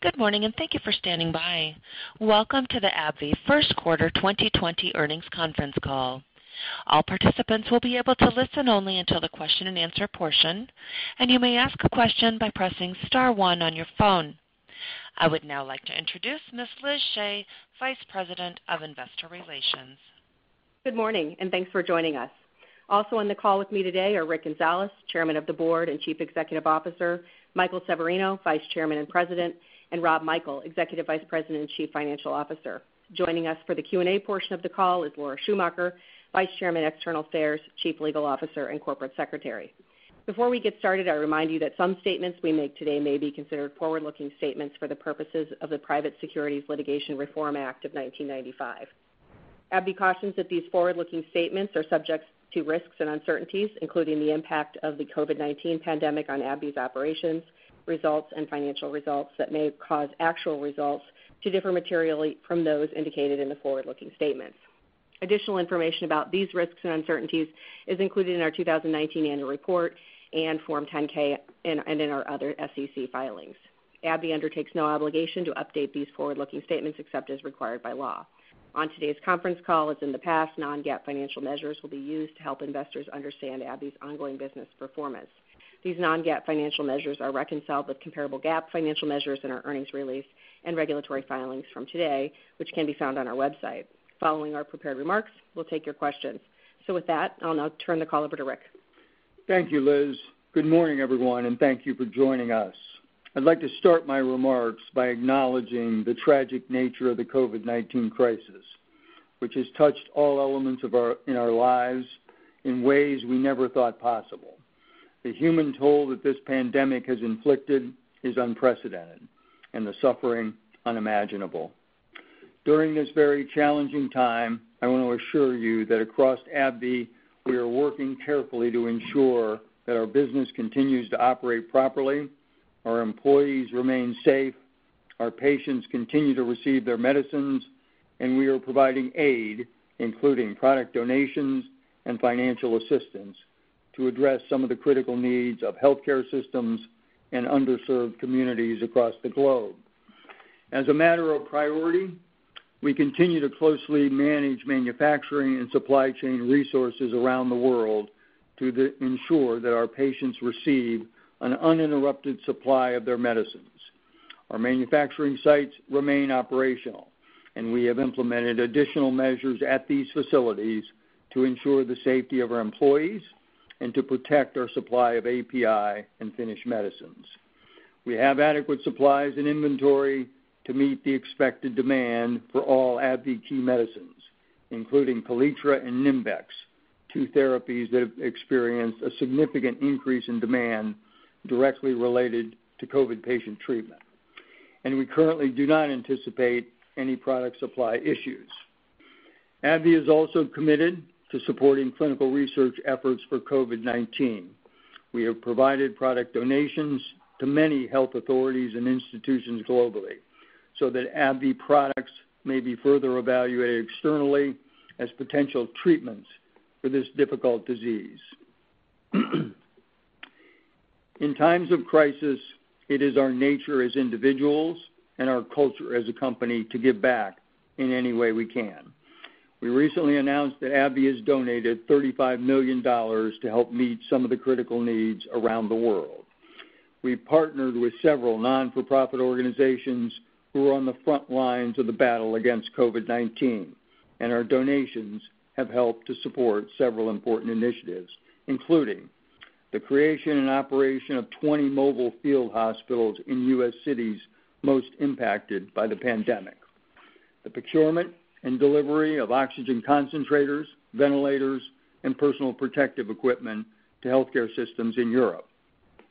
Good morning. Thank you for standing by. Welcome to the AbbVie first quarter 2020 earnings conference call. All participants will be able to listen only until the question and answer portion. You may ask a question by pressing star one on your phone. I would now like to introduce Ms. Liz Shea, Vice President of Investor Relations. Good morning, and thanks for joining us. Also on the call with me today are Rick Gonzalez, Chairman of the Board and Chief Executive Officer, Michael Severino, Vice Chairman and President, and Rob Michael, Executive Vice President and Chief Financial Officer. Joining us for the Q&A portion of the call is Laura Schumacher, Vice Chairman, External Affairs, Chief Legal Officer, and Corporate Secretary. Before we get started, I remind you that some statements we make today may be considered forward-looking statements for the purposes of the Private Securities Litigation Reform Act of 1995. AbbVie cautions that these forward-looking statements are subject to risks and uncertainties, including the impact of the COVID-19 pandemic on AbbVie's operations, results, and financial results that may cause actual results to differ materially from those indicated in the forward-looking statements. Additional information about these risks and uncertainties is included in our 2019 annual report and Form 10-K and in our other SEC filings. AbbVie undertakes no obligation to update these forward-looking statements except as required by law. On today's conference call, as in the past, non-GAAP financial measures will be used to help investors understand AbbVie's ongoing business performance. These non-GAAP financial measures are reconciled with comparable GAAP financial measures in our earnings release and regulatory filings from today, which can be found on our website. Following our prepared remarks, we'll take your questions. With that, I'll now turn the call over to Rick. Thank you, Liz. Good morning, everyone, and thank you for joining us. I'd like to start my remarks by acknowledging the tragic nature of the COVID-19 crisis, which has touched all elements in our lives in ways we never thought possible. The human toll that this pandemic has inflicted is unprecedented. The suffering unimaginable. During this very challenging time, I want to assure you that across AbbVie, we are working carefully to ensure that our business continues to operate properly, our employees remain safe, our patients continue to receive their medicines, and we are providing aid, including product donations and financial assistance to address some of the critical needs of healthcare systems and underserved communities across the globe. As a matter of priority, we continue to closely manage manufacturing and supply chain resources around the world to ensure that our patients receive an uninterrupted supply of their medicines. Our manufacturing sites remain operational, and we have implemented additional measures at these facilities to ensure the safety of our employees and to protect our supply of API and finished medicines. We have adequate supplies and inventory to meet the expected demand for all AbbVie key medicines, including KALETRA and NIMBEX, two therapies that have experienced a significant increase in demand directly related to COVID-19 patient treatment. We currently do not anticipate any product supply issues. AbbVie is also committed to supporting clinical research efforts for COVID-19. We have provided product donations to many health authorities and institutions globally so that AbbVie products may be further evaluated externally as potential treatments for this difficult disease. In times of crisis, it is our nature as individuals and our culture as a company to give back in any way we can. We recently announced that AbbVie has donated $35 million to help meet some of the critical needs around the world. We partnered with several nonprofit organizations who are on the front lines of the battle against COVID-19, and our donations have helped to support several important initiatives, including the creation and operation of 20 mobile field hospitals in U.S. cities most impacted by the pandemic, the procurement and delivery of oxygen concentrators, ventilators, and personal protective equipment to healthcare systems in Europe,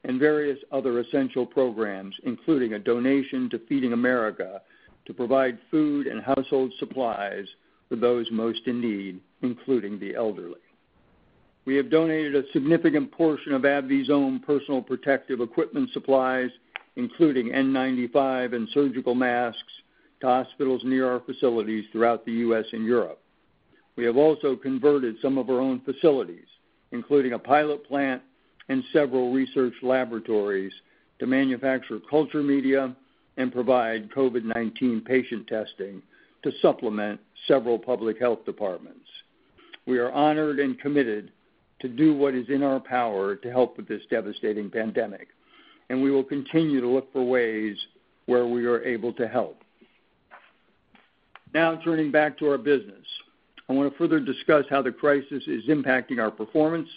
and various other essential programs, including a donation to Feeding America to provide food and household supplies for those most in need, including the elderly. We have donated a significant portion of AbbVie's own personal protective equipment supplies, including N95 and surgical masks, to hospitals near our facilities throughout the U.S. and Europe. We have also converted some of our own facilities, including a pilot plant and several research laboratories, to manufacture culture media and provide COVID-19 patient testing to supplement several public health departments. We are honored and committed to do what is in our power to help with this devastating pandemic, and we will continue to look for ways where we are able to help. Now, turning back to our business. I want to further discuss how the crisis is impacting our performance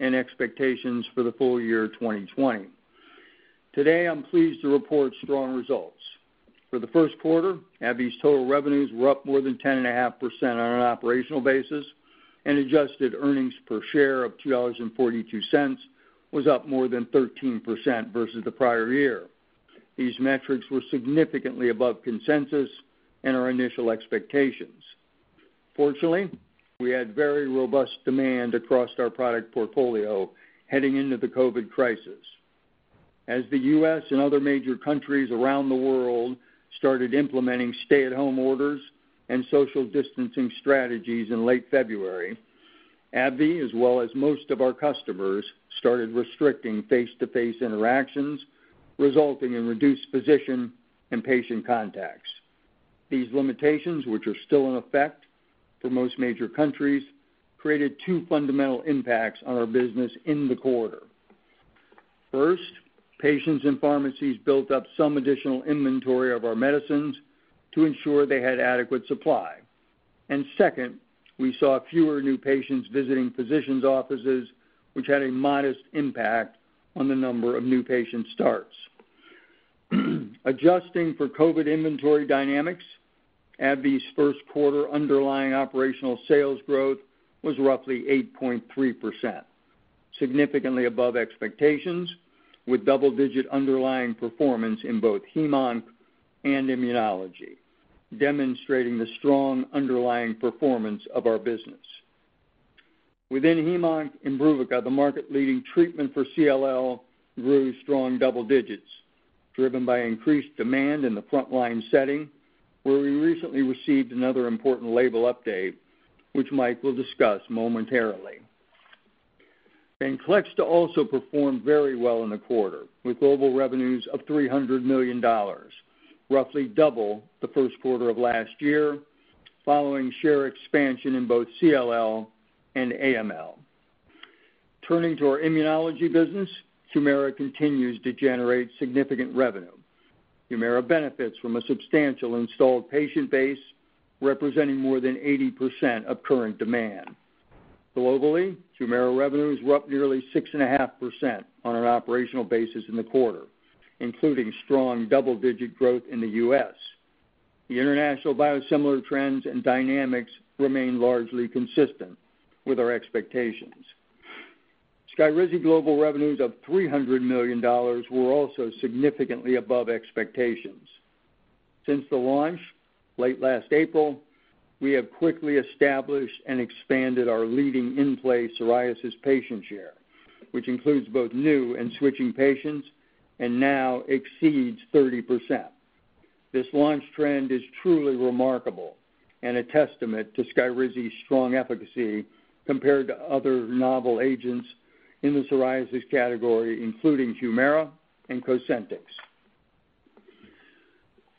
and expectations for the full year 2020. Today, I'm pleased to report strong results. For the first quarter, AbbVie's total revenues were up more than 10.5% on an operational basis, and adjusted earnings per share of $2.42 was up more than 13% versus the prior year. These metrics were significantly above consensus and our initial expectations. Fortunately, we had very robust demand across our product portfolio heading into the COVID crisis. As the U.S. and other major countries around the world started implementing stay-at-home orders and social distancing strategies in late February, AbbVie, as well as most of our customers, started restricting face-to-face interactions, resulting in reduced physician and patient contacts. These limitations, which are still in effect for most major countries, created two fundamental impacts on our business in the quarter. First, patients and pharmacies built up some additional inventory of our medicines to ensure they had adequate supply. Second, we saw fewer new patients visiting physicians' offices, which had a modest impact on the number of new patient starts. Adjusting for COVID inventory dynamics, AbbVie's first quarter underlying operational sales growth was roughly 8.3%, significantly above expectations, with double-digit underlying performance in both hem-onc and immunology, demonstrating the strong underlying performance of our business. Within hem-onc, IMBRUVICA, the market-leading treatment for CLL, grew strong double digits, driven by increased demand in the frontline setting, where we recently received another important label update, which Mike will discuss momentarily. VENCLEXTA also performed very well in the quarter, with global revenues of $300 million, roughly double the first quarter of last year, following share expansion in both CLL and AML. Turning to our immunology business, HUMIRA continues to generate significant revenue. HUMIRA benefits from a substantial installed patient base representing more than 80% of current demand. Globally, HUMIRA revenues were up nearly 6.5% on an operational basis in the quarter, including strong double-digit growth in the U.S. The international biosimilar trends and dynamics remain largely consistent with our expectations. SKYRIZI global revenues of $300 million were also significantly above expectations. Since the launch late last April, we have quickly established and expanded our leading in-play psoriasis patient share, which includes both new and switching patients and now exceeds 30%. This launch trend is truly remarkable and a testament to SKYRIZI's strong efficacy compared to other novel agents in the psoriasis category, including HUMIRA and COSENTYX.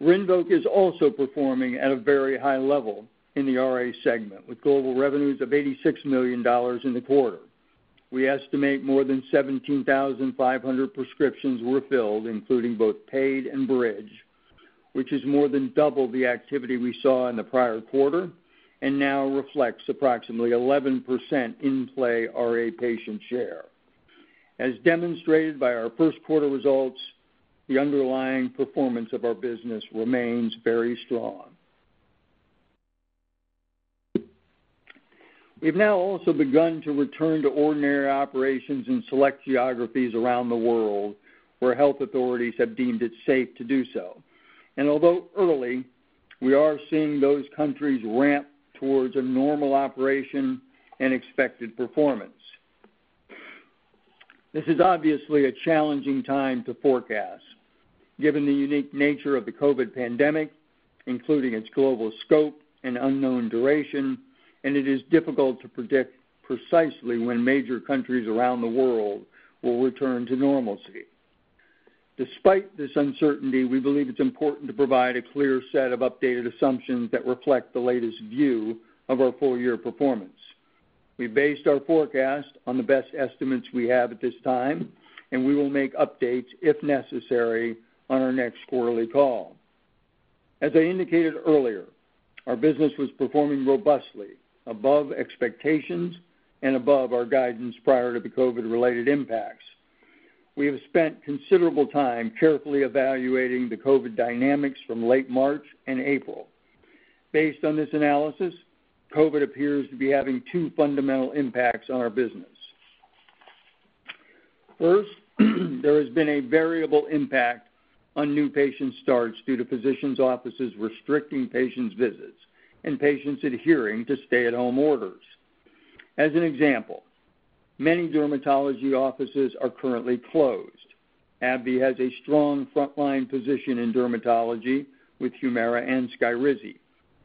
RINVOQ is also performing at a very high level in the RA segment, with global revenues of $86 million in the quarter. We estimate more than 17,500 prescriptions were filled, including both paid and bridge, which is more than double the activity we saw in the prior quarter and now reflects approximately 11% in-play RA patient share. As demonstrated by our first quarter results, the underlying performance of our business remains very strong. We've now also begun to return to ordinary operations in select geographies around the world where health authorities have deemed it safe to do so. Although early, we are seeing those countries ramp towards a normal operation and expected performance. This is obviously a challenging time to forecast given the unique nature of the COVID-19 pandemic, including its global scope and unknown duration, and it is difficult to predict precisely when major countries around the world will return to normalcy. Despite this uncertainty, we believe it's important to provide a clear set of updated assumptions that reflect the latest view of our full-year performance. We based our forecast on the best estimates we have at this time, and we will make updates if necessary on our next quarterly call. As I indicated earlier, our business was performing robustly above expectations and above our guidance prior to the COVID-19-related impacts. We have spent considerable time carefully evaluating the COVID dynamics from late March and April. Based on this analysis, COVID appears to be having two fundamental impacts on our business. First, there has been a variable impact on new patient starts due to physicians' offices restricting patients' visits and patients adhering to stay-at-home orders. As an example, many dermatology offices are currently closed. AbbVie has a strong frontline position in dermatology with HUMIRA and SKYRIZI,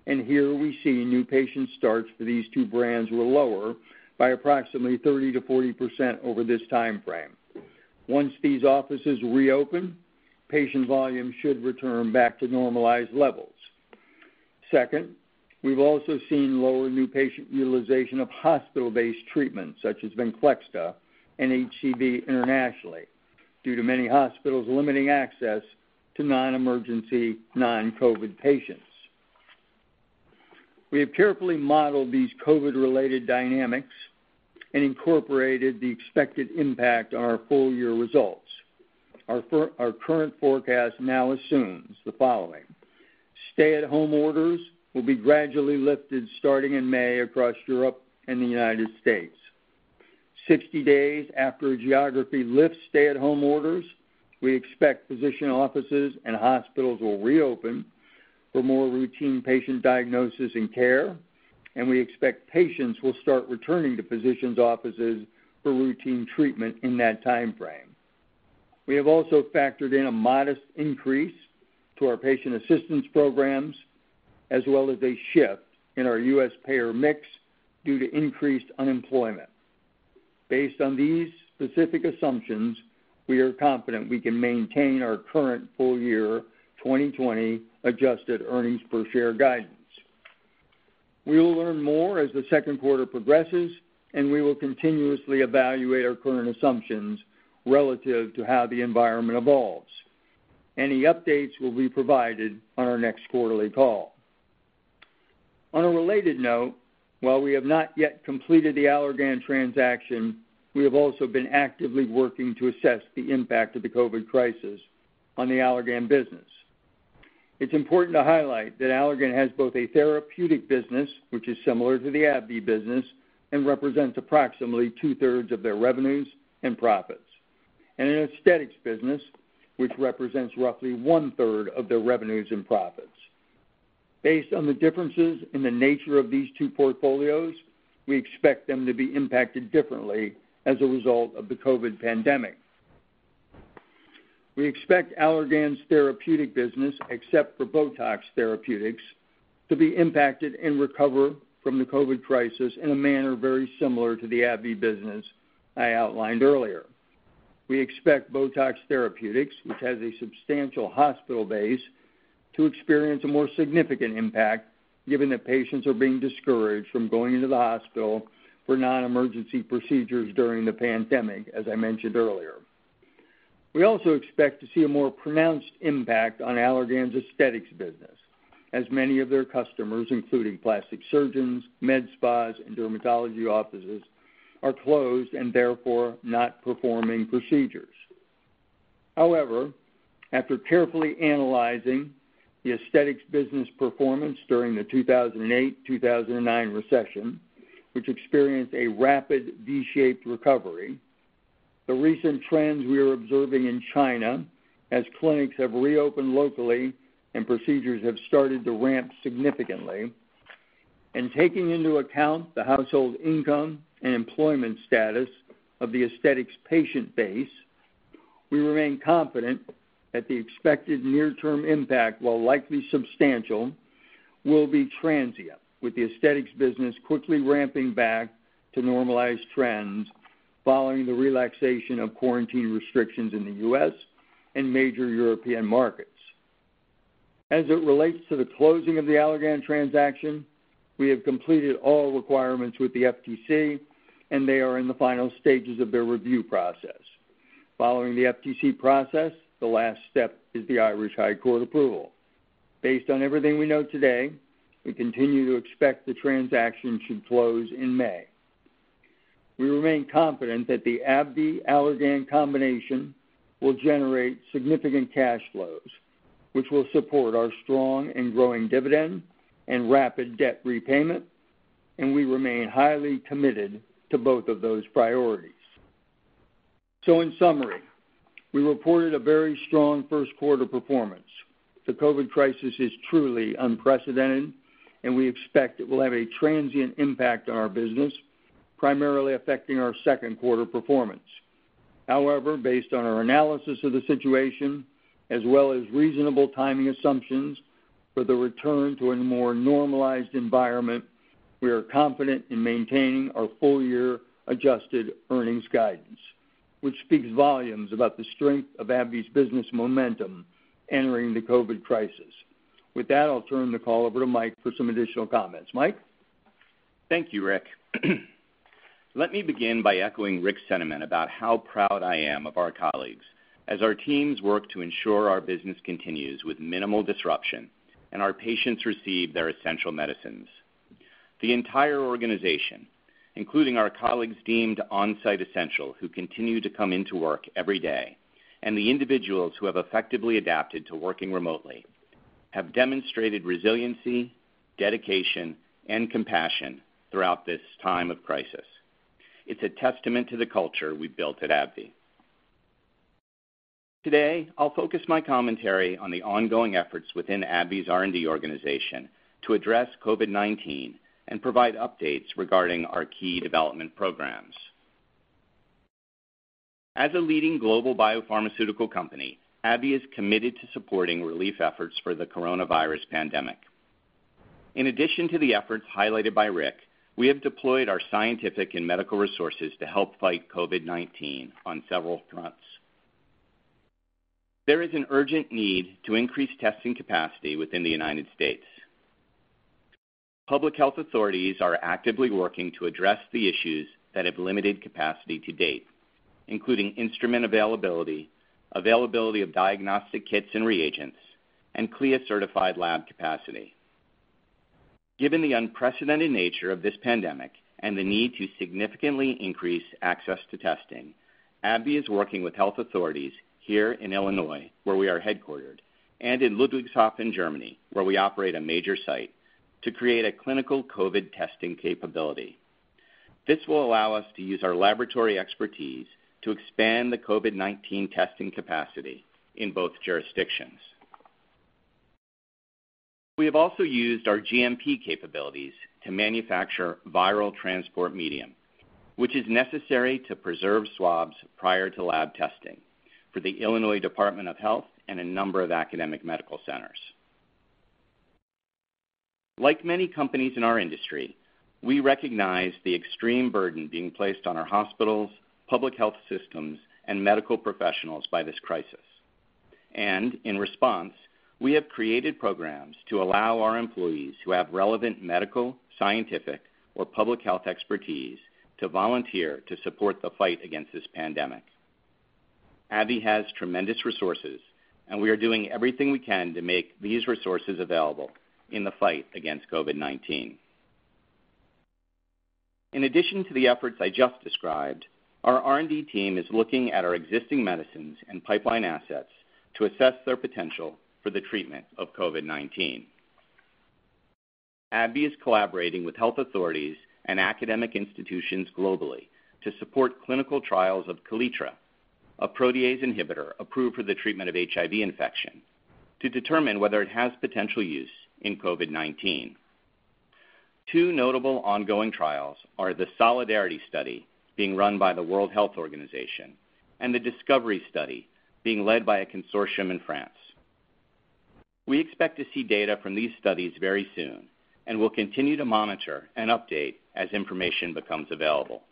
and here we see new patient starts for these two brands were lower by approximately 30%-40% over this timeframe. Once these offices reopen, patient volume should return back to normalized levels. Second, we've also seen lower new patient utilization of hospital-based treatments such as VENCLEXTA and HCV internationally due to many hospitals limiting access to non-emergency, non-COVID patients. We have carefully modeled these COVID-related dynamics and incorporated the expected impact on our full-year results. Our current forecast now assumes the following: Stay-at-home orders will be gradually lifted starting in May across Europe and the U.S. 60 days after a geography lifts stay-at-home orders, we expect physician offices and hospitals will reopen for more routine patient diagnosis and care, and we expect patients will start returning to physicians' offices for routine treatment in that timeframe. We have also factored in a modest increase to our patient assistance programs, as well as a shift in our U.S. payer mix due to increased unemployment. Based on these specific assumptions, we are confident we can maintain our current full-year 2020 adjusted earnings per share guidance. We will learn more as the second quarter progresses, and we will continuously evaluate our current assumptions relative to how the environment evolves. Any updates will be provided on our next quarterly call. On a related note, while we have not yet completed the Allergan transaction, we have also been actively working to assess the impact of the COVID crisis on the Allergan business. It's important to highlight that Allergan has both a therapeutic business, which is similar to the AbbVie business and represents approximately 2/3 of their revenues and profits, and an aesthetics business, which represents roughly one-third of their revenues and profits. Based on the differences in the nature of these two portfolios, we expect them to be impacted differently as a result of the COVID pandemic. We expect Allergan's therapeutic business, except for BOTOX Therapeutic, to be impacted and recover from the COVID crisis in a manner very similar to the AbbVie business I outlined earlier. We expect BOTOX Therapeutic, which has a substantial hospital base, to experience a more significant impact given that patients are being discouraged from going into the hospital for non-emergency procedures during the pandemic, as I mentioned earlier. We also expect to see a more pronounced impact on Allergan's aesthetics business, as many of their customers, including plastic surgeons, med spas, and dermatology offices, are closed and therefore not performing procedures. After carefully analyzing the aesthetics business performance during the 2008-2009 recession, which experienced a rapid V-shaped recovery, the recent trends we are observing in China as clinics have reopened locally and procedures have started to ramp significantly, and taking into account the household income and employment status of the aesthetics patient base, we remain confident that the expected near-term impact, while likely substantial, will be transient, with the aesthetics business quickly ramping back to normalized trends following the relaxation of quarantine restrictions in the U.S. and major European markets. As it relates to the closing of the Allergan transaction, we have completed all requirements with the FTC, they are in the final stages of their review process. Following the FTC process, the last step is the Irish High Court approval. Based on everything we know today, we continue to expect the transaction should close in May. We remain confident that the AbbVie, Allergan combination will generate significant cash flows, which will support our strong and growing dividend and rapid debt repayment, and we remain highly committed to both of those priorities. In summary, we reported a very strong first quarter performance. The COVID crisis is truly unprecedented, and we expect it will have a transient impact on our business, primarily affecting our second quarter performance. Based on our analysis of the situation, as well as reasonable timing assumptions for the return to a more normalized environment, we are confident in maintaining our full-year adjusted earnings guidance, which speaks volumes about the strength of AbbVie's business momentum entering the COVID crisis. With that, I'll turn the call over to Mike for some additional comments. Mike? Thank you, Rick. Let me begin by echoing Rick's sentiment about how proud I am of our colleagues, as our teams work to ensure our business continues with minimal disruption, and our patients receive their essential medicines. The entire organization, including our colleagues deemed on-site essential who continue to come into work every day, and the individuals who have effectively adapted to working remotely, have demonstrated resiliency, dedication, and compassion throughout this time of crisis. It's a testament to the culture we've built at AbbVie. Today, I'll focus my commentary on the ongoing efforts within AbbVie's R&D organization to address COVID-19 and provide updates regarding our key development programs. As a leading global biopharmaceutical company, AbbVie is committed to supporting relief efforts for the coronavirus pandemic. In addition to the efforts highlighted by Rick, we have deployed our scientific and medical resources to help fight COVID-19 on several fronts. There is an urgent need to increase testing capacity within the U.S. Public health authorities are actively working to address the issues that have limited capacity to date, including instrument availability of diagnostic kits and reagents, and CLIA-certified lab capacity. Given the unprecedented nature of this pandemic and the need to significantly increase access to testing, AbbVie is working with health authorities here in Illinois, where we are headquartered, and in Ludwigshafen, Germany, where we operate a major site, to create a clinical COVID testing capability. This will allow us to use our laboratory expertise to expand the COVID-19 testing capacity in both jurisdictions. We have also used our GMP capabilities to manufacture viral transport medium, which is necessary to preserve swabs prior to lab testing for the Illinois Department of Public Health and a number of academic medical centers. Like many companies in our industry, we recognize the extreme burden being placed on our hospitals, public health systems, and medical professionals by this crisis. In response, we have created programs to allow our employees who have relevant medical, scientific, or public health expertise to volunteer to support the fight against this pandemic. AbbVie has tremendous resources, and we are doing everything we can to make these resources available in the fight against COVID-19. In addition to the efforts I just described, our R&D team is looking at our existing medicines and pipeline assets to assess their potential for the treatment of COVID-19. AbbVie is collaborating with health authorities and academic institutions globally to support clinical trials of KALETRA, a protease inhibitor approved for the treatment of HIV infection, to determine whether it has potential use in COVID-19. Two notable ongoing trials are the Solidarity Trial being run by the World Health Organization and the DisCoVeRy trial being led by a consortium in France. We expect to see data from these studies very soon and will continue to monitor and update as information becomes available.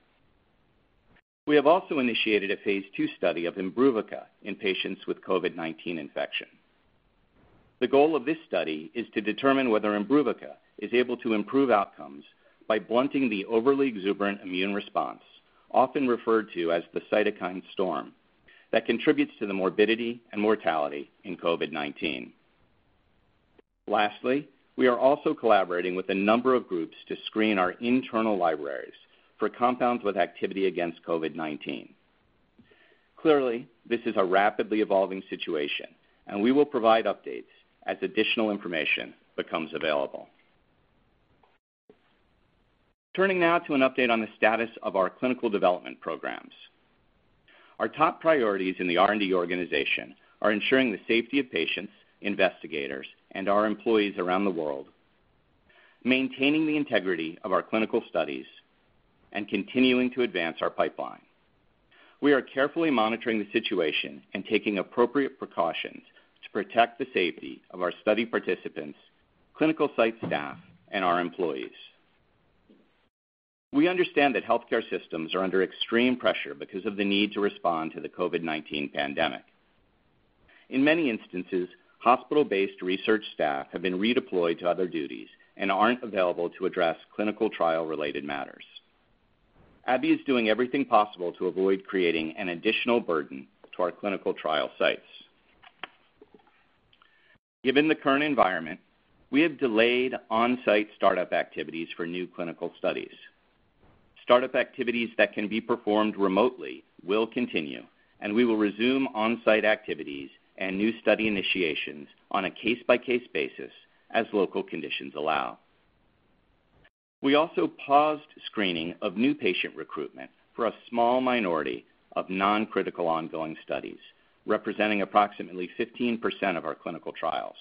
We have also initiated a phase II study of IMBRUVICA in patients with COVID-19 infection. The goal of this study is to determine whether IMBRUVICA is able to improve outcomes by blunting the overly exuberant immune response, often referred to as the cytokine storm, that contributes to the morbidity and mortality in COVID-19. Lastly, we are also collaborating with a number of groups to screen our internal libraries for compounds with activity against COVID-19. Clearly, this is a rapidly evolving situation, and we will provide updates as additional information becomes available. Turning now to an update on the status of our clinical development programs. Our top priorities in the R&D organization are ensuring the safety of patients, investigators, and our employees around the world, maintaining the integrity of our clinical studies, and continuing to advance our pipeline. We are carefully monitoring the situation and taking appropriate precautions to protect the safety of our study participants, clinical site staff, and our employees. We understand that healthcare systems are under extreme pressure because of the need to respond to the COVID-19 pandemic. In many instances, hospital-based research staff have been redeployed to other duties and aren't available to address clinical trial-related matters. AbbVie is doing everything possible to avoid creating an additional burden to our clinical trial sites. Given the current environment, we have delayed on-site startup activities for new clinical studies. Startup activities that can be performed remotely will continue, and we will resume on-site activities and new study initiations on a case-by-case basis as local conditions allow. We also paused screening of new patient recruitment for a small minority of non-critical ongoing studies, representing approximately 15% of our clinical trials,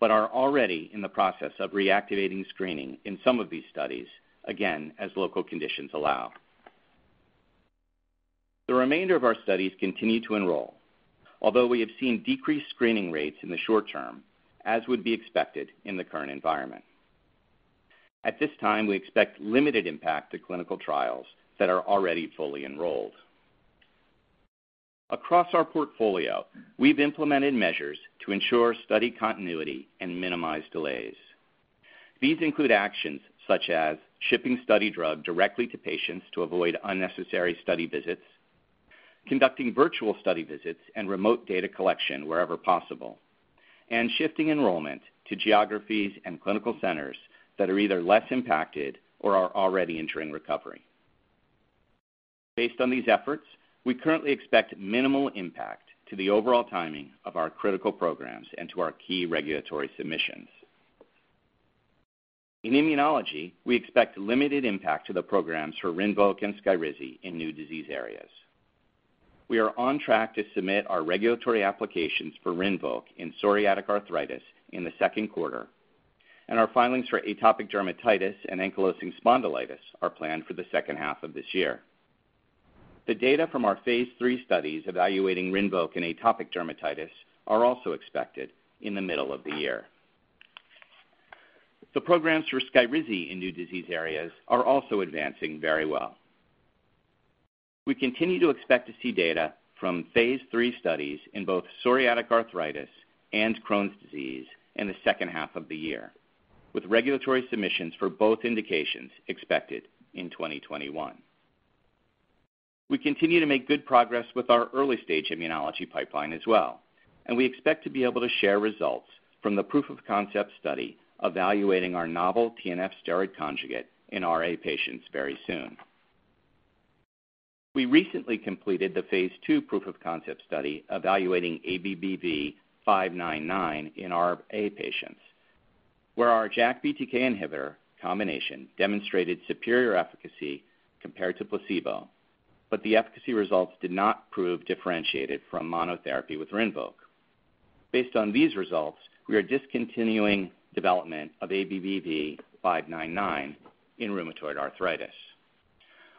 but are already in the process of reactivating screening in some of these studies, again, as local conditions allow. The remainder of our studies continue to enroll, although we have seen decreased screening rates in the short term, as would be expected in the current environment. At this time, we expect limited impact to clinical trials that are already fully enrolled. Across our portfolio, we've implemented measures to ensure study continuity and minimize delays. These include actions such as shipping study drug directly to patients to avoid unnecessary study visits, conducting virtual study visits and remote data collection wherever possible, and shifting enrollment to geographies and clinical centers that are either less impacted or are already entering recovery. Based on these efforts, we currently expect minimal impact to the overall timing of our critical programs and to our key regulatory submissions. In immunology, we expect limited impact to the programs for RINVOQ and SKYRIZI in new disease areas. We are on track to submit our regulatory applications for RINVOQ in psoriatic arthritis in the second quarter, and our filings for atopic dermatitis and ankylosing spondylitis are planned for the second half of this year. The data from our phase III studies evaluating RINVOQ in atopic dermatitis are also expected in the middle of the year. The programs for SKYRIZI in new disease areas are also advancing very well. We continue to expect to see data from phase III studies in both psoriatic arthritis and Crohn's disease in the second half of the year, with regulatory submissions for both indications expected in 2021. We continue to make good progress with our early-stage immunology pipeline as well. We expect to be able to share results from the proof of concept study evaluating our novel TNF steroid conjugate in RA patients very soon. We recently completed the phase II proof of concept study evaluating ABBV-599 in RA patients, where our JAK BTK inhibitor combination demonstrated superior efficacy compared to placebo. The efficacy results did not prove differentiated from monotherapy with RINVOQ. Based on these results, we are discontinuing development of ABBV-599 in rheumatoid arthritis.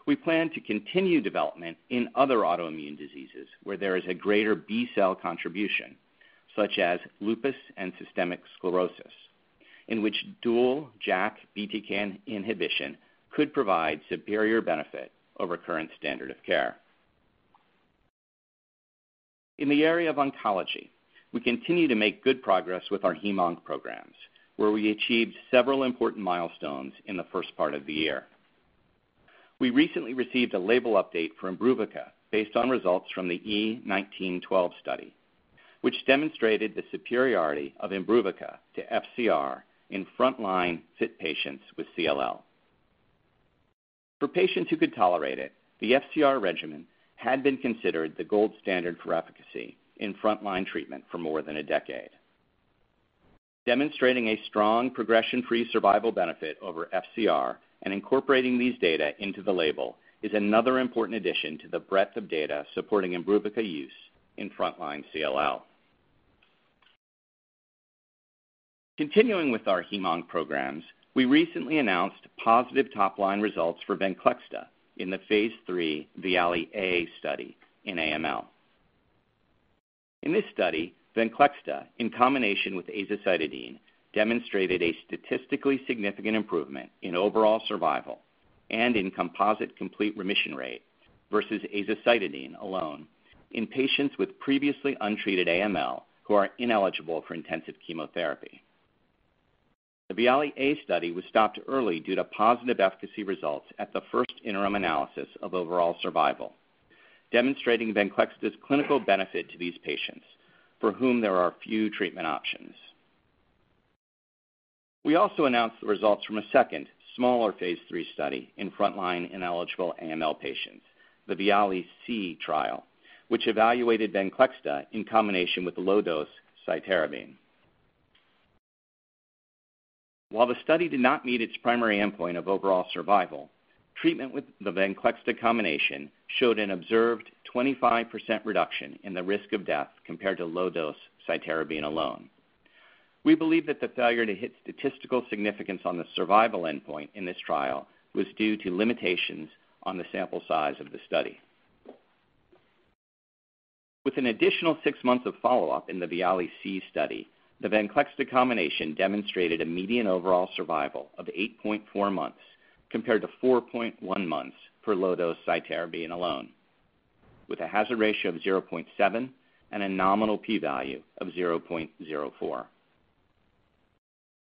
We plan to continue development in other autoimmune diseases where there is a greater B-cell contribution, such as lupus and systemic sclerosis, in which dual JAK/BTK inhibition could provide superior benefit over current standard of care. In the area of oncology, we continue to make good progress with our hem-onc programs, where we achieved several important milestones in the first part of the year. We recently received a label update for IMBRUVICA, based on results from the E1912 study, which demonstrated the superiority of IMBRUVICA to FCR in frontline fit patients with CLL. For patients who could tolerate it, the FCR regimen had been considered the gold standard for efficacy in frontline treatment for more than a decade. Demonstrating a strong progression-free survival benefit over FCR and incorporating these data into the label is another important addition to the breadth of data supporting IMBRUVICA use in frontline CLL. Continuing with our hem-onc programs, we recently announced positive top-line results for VENCLEXTA in the phase III VIALE-A study in AML. In this study, VENCLEXTA, in combination with azacitidine, demonstrated a statistically significant improvement in overall survival and in composite complete remission rate versus azacitidine alone in patients with previously untreated AML who are ineligible for intensive chemotherapy. The VIALE-A study was stopped early due to positive efficacy results at the first interim analysis of overall survival, demonstrating VENCLEXTA's clinical benefit to these patients, for whom there are few treatment options. We also announced the results from a second smaller phase III study in frontline ineligible AML patients, the VIALE-C trial, which evaluated VENCLEXTA in combination with low-dose cytarabine. While the study did not meet its primary endpoint of overall survival, treatment with the VENCLEXTA combination showed an observed 25% reduction in the risk of death compared to low-dose cytarabine alone. We believe that the failure to hit statistical significance on the survival endpoint in this trial was due to limitations on the sample size of the study. With an additional six months of follow-up in the VIALE-C study, the VENCLEXTA combination demonstrated a median overall survival of 8.4 months compared to 4.1 months for low-dose cytarabine alone, with a hazard ratio of 0.7 and a nominal P value of 0.04.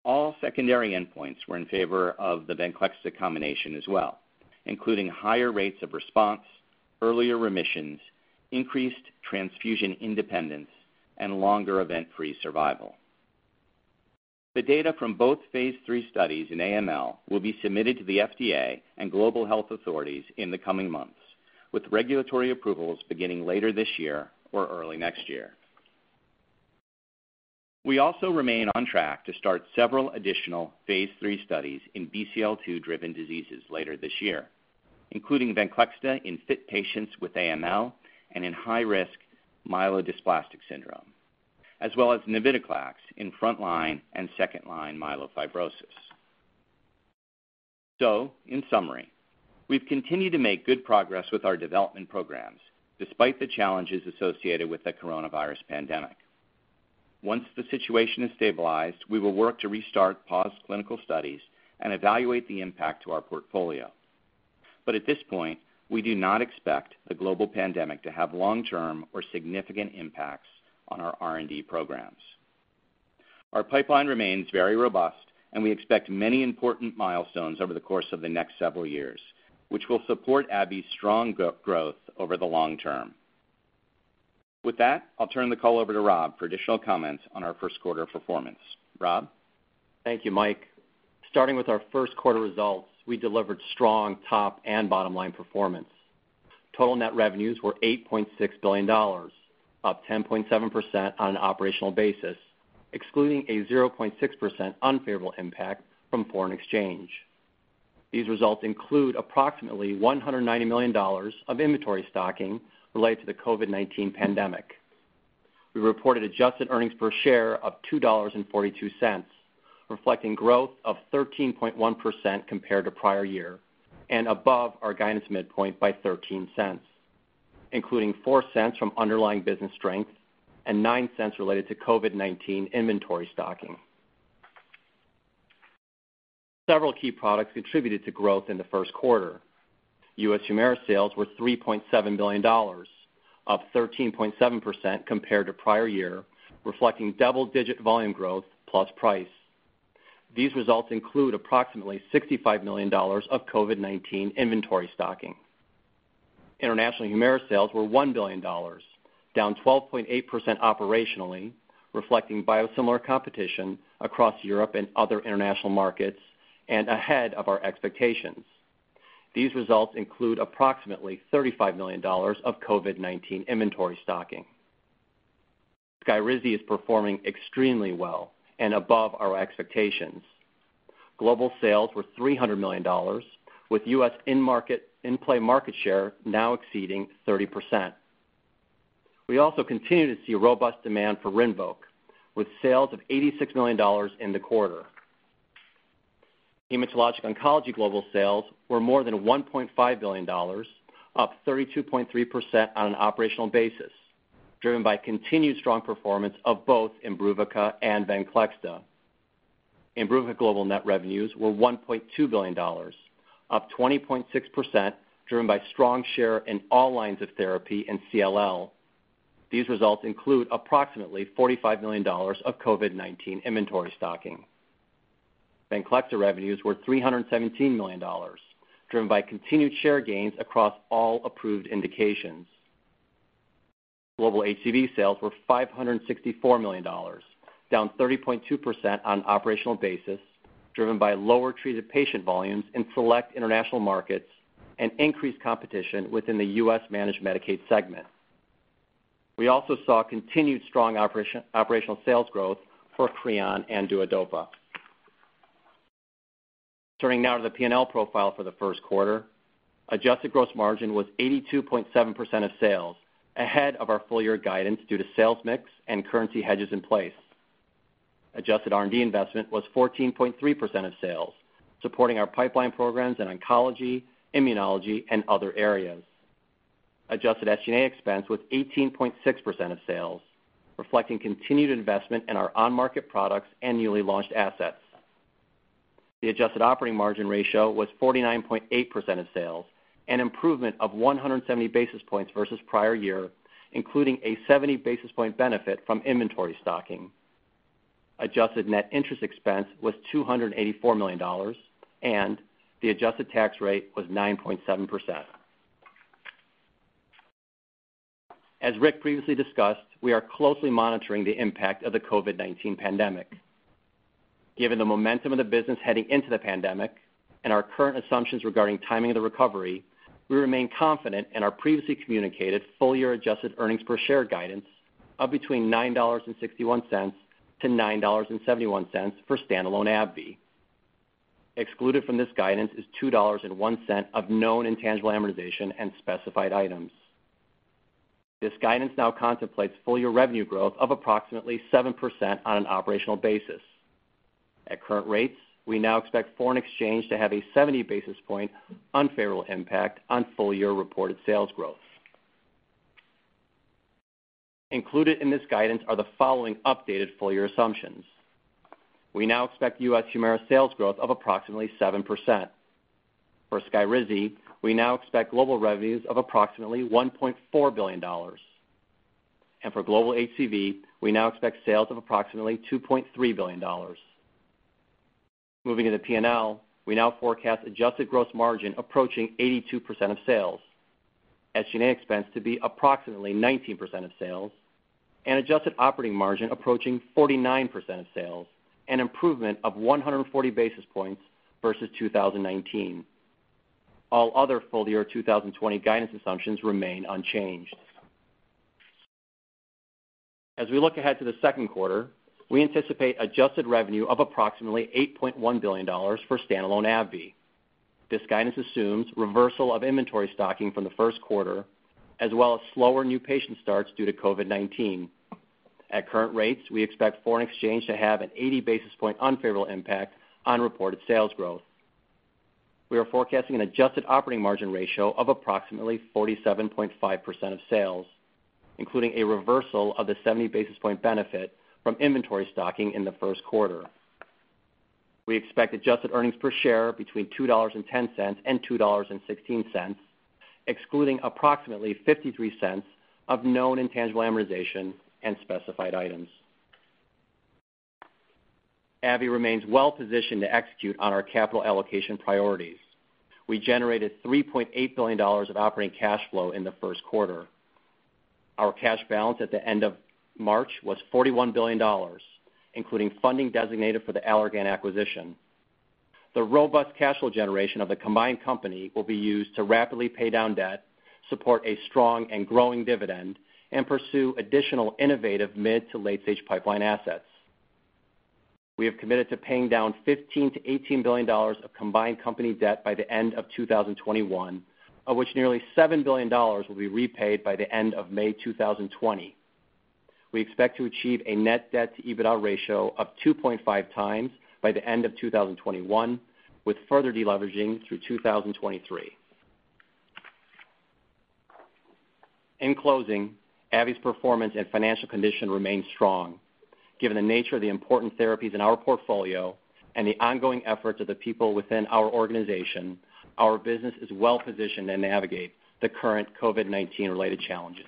All secondary endpoints were in favor of the VENCLEXTA combination as well, including higher rates of response, earlier remissions, increased transfusion independence, and longer event-free survival. The data from both phase III studies in AML will be submitted to the FDA and global health authorities in the coming months, with regulatory approvals beginning later this year or early next year. We also remain on track to start several additional phase III studies in BCL-2-driven diseases later this year, including VENCLEXTA in fit patients with AML and in high-risk myelodysplastic syndrome, as well as navitoclax in frontline and second-line myelofibrosis. In summary, we've continued to make good progress with our development programs despite the challenges associated with the coronavirus pandemic. Once the situation has stabilized, we will work to restart paused clinical studies and evaluate the impact to our portfolio. At this point, we do not expect the global pandemic to have long-term or significant impacts on our R&D programs. Our pipeline remains very robust, and we expect many important milestones over the course of the next several years, which will support AbbVie's strong growth over the long term. With that, I'll turn the call over to Rob for additional comments on our first quarter performance. Rob? Thank you, Mike. Starting with our first quarter results, we delivered strong top and bottom-line performance. Total net revenues were $8.6 billion, up 10.7% on an operational basis, excluding a 0.6% unfavorable impact from foreign exchange. These results include approximately $190 million of inventory stocking related to the COVID-19 pandemic. We reported adjusted earnings per share of $2.42, reflecting growth of 13.1% compared to prior year and above our guidance midpoint by $0.13, including $0.04 from underlying business strengths and $0.09 related to COVID-19 inventory stocking. Several key products contributed to growth in the first quarter. U.S. HUMIRA sales were $3.7 billion, up 13.7% compared to prior year, reflecting double-digit volume growth plus price. These results include approximately $65 million of COVID-19 inventory stocking. International HUMIRA sales were $1 billion, down 12.8% operationally, reflecting biosimilar competition across Europe and other international markets and ahead of our expectations. These results include approximately $35 million of COVID-19 inventory stocking. SKYRIZI is performing extremely well and above our expectations. Global sales were $300 million with U.S. in-play market share now exceeding 30%. We also continue to see robust demand for RINVOQ, with sales of $86 million in the quarter. Hematologic oncology global sales were more than $1.5 billion, up 32.3% on an operational basis, driven by continued strong performance of both IMBRUVICA and VENCLEXTA. IMBRUVICA global net revenues were $1.2 billion, up 20.6%, driven by strong share in all lines of therapy in CLL. These results include approximately $45 million of COVID-19 inventory stocking. VENCLEXTA revenues were $317 million, driven by continued share gains across all approved indications. Global HCV sales were $564 million, down 30.2% on an operational basis, driven by lower treated patient volumes in select international markets and increased competition within the U.S. Managed Medicaid segment. We also saw continued strong operational sales growth for CREON and DUODOPA. Turning now to the P&L profile for the first quarter. Adjusted gross margin was 82.7% of sales, ahead of our full-year guidance due to sales mix and currency hedges in place. Adjusted R&D investment was 14.3% of sales, supporting our pipeline programs in oncology, immunology, and other areas. Adjusted SG&A expense was 18.6% of sales, reflecting continued investment in our on-market products and newly launched assets. The adjusted operating margin ratio was 49.8% of sales, an improvement of 170 basis points versus prior year, including a 70 basis point benefit from inventory stocking. Adjusted net interest expense was $284 million, and the adjusted tax rate was 9.7%. As Rick previously discussed, we are closely monitoring the impact of the COVID-19 pandemic. Given the momentum of the business heading into the pandemic and our current assumptions regarding timing of the recovery, we remain confident in our previously communicated full-year adjusted earnings per share guidance of between $9.61-$9.71 for standalone AbbVie. Excluded from this guidance is $2.01 of known intangible amortization and specified items. This guidance now contemplates full-year revenue growth of approximately 7% on an operational basis. At current rates, we now expect foreign exchange to have a 70 basis point unfavorable impact on full-year reported sales growth. Included in this guidance are the following updated full-year assumptions. We now expect U.S. HUMIRA sales growth of approximately 7%. For SKYRIZI, we now expect global revenues of approximately $1.4 billion. For global HCV, we now expect sales of approximately $2.3 billion. Moving into P&L, we now forecast adjusted gross margin approaching 82% of sales, SG&A expense to be approximately 19% of sales, and adjusted operating margin approaching 49% of sales, an improvement of 140 basis points versus 2019. All other full-year 2020 guidance assumptions remain unchanged. As we look ahead to the second quarter, we anticipate adjusted revenue of approximately $8.1 billion for standalone AbbVie. This guidance assumes reversal of inventory stocking from the first quarter, as well as slower new patient starts due to COVID-19. At current rates, we expect foreign exchange to have an 80 basis point unfavorable impact on reported sales growth. We are forecasting an adjusted operating margin ratio of approximately 47.5% of sales, including a reversal of the 70 basis point benefit from inventory stocking in the first quarter. We expect adjusted earnings per share between $2.10 and $2.16, excluding approximately $0.53 of known intangible amortization and specified items. AbbVie remains well-positioned to execute on our capital allocation priorities. We generated $3.8 billion of operating cash flow in the first quarter. Our cash balance at the end of March was $41 billion, including funding designated for the Allergan acquisition. The robust cash flow generation of the combined company will be used to rapidly pay down debt, support a strong and growing dividend, and pursue additional innovative mid to late-stage pipeline assets. We have committed to paying down $15 billion-$18 billion of combined company debt by the end of 2021, of which nearly $7 billion will be repaid by the end of May 2020. We expect to achieve a net debt to EBITDA ratio of 2.5x by the end of 2021, with further deleveraging through 2023. In closing, AbbVie's performance and financial condition remain strong. Given the nature of the important therapies in our portfolio and the ongoing efforts of the people within our organization, our business is well-positioned to navigate the current COVID-19-related challenges.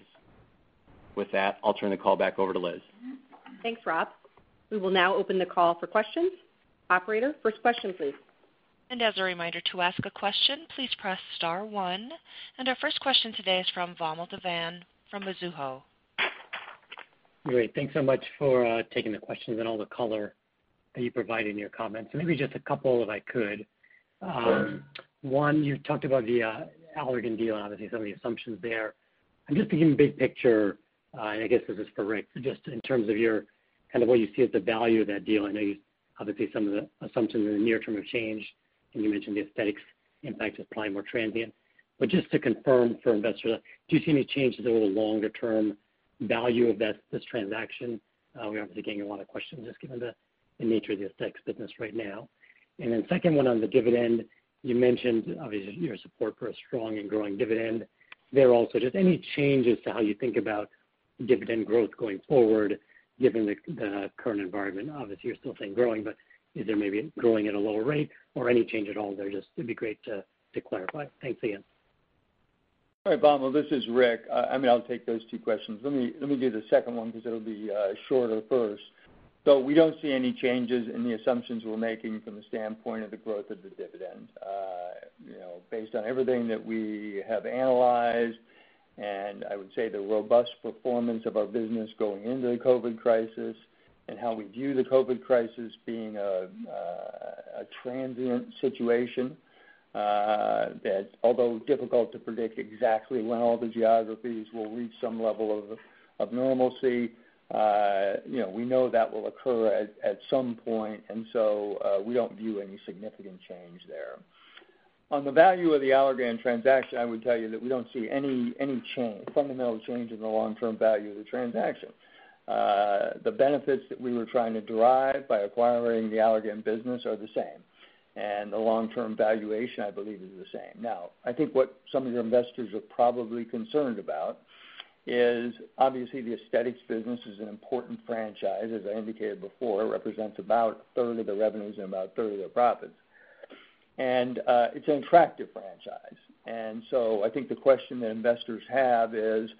With that, I'll turn the call back over to Liz. Thanks, Rob. We will now open the call for questions. Operator, first question, please. As a reminder, to ask a question, please press star one. Our first question today is from Vamil Divan from Mizuho. Great. Thanks so much for taking the questions and all the color that you provide in your comments. Maybe just a couple, if I could. Sure. One, you talked about the Allergan deal and obviously some of the assumptions there. Just thinking big picture, I guess this is for Rick, just in terms of your, kind of what you see as the value of that deal. I know obviously some of the assumptions in the near term have changed, you mentioned the aesthetics impact is probably more transient. Just to confirm for investors, do you see any change to the longer-term value of this transaction? We're obviously getting a lot of questions just given the nature of the aesthetics business right now. Second one on the dividend, you mentioned obviously your support for a strong and growing dividend there also. Just any changes to how you think about dividend growth going forward given the current environment? You're still saying growing, but is there maybe growing at a lower rate or any change at all there? Just it'd be great to clarify. Thanks again. All right, Vamil, this is Rick. I'll take those two questions. Let me do the second one because it'll be shorter first. We don't see any changes in the assumptions we're making from the standpoint of the growth of the dividend. Based on everything that we have analyzed, and I would say the robust performance of our business going into the COVID crisis, and how we view the COVID crisis being a transient situation, that although difficult to predict exactly when all the geographies will reach some level of normalcy, we know that will occur at some point. We don't view any significant change there. On the value of the Allergan transaction, I would tell you that we don't see any fundamental change in the long-term value of the transaction. The benefits that we were trying to derive by acquiring the Allergan business are the same. The long-term valuation, I believe is the same. I think what some of your investors are probably concerned about is obviously the aesthetics business is an important franchise. As I indicated before, it represents about a third of the revenues and about a third of the profits. It's an attractive franchise. I think the question that investors have is,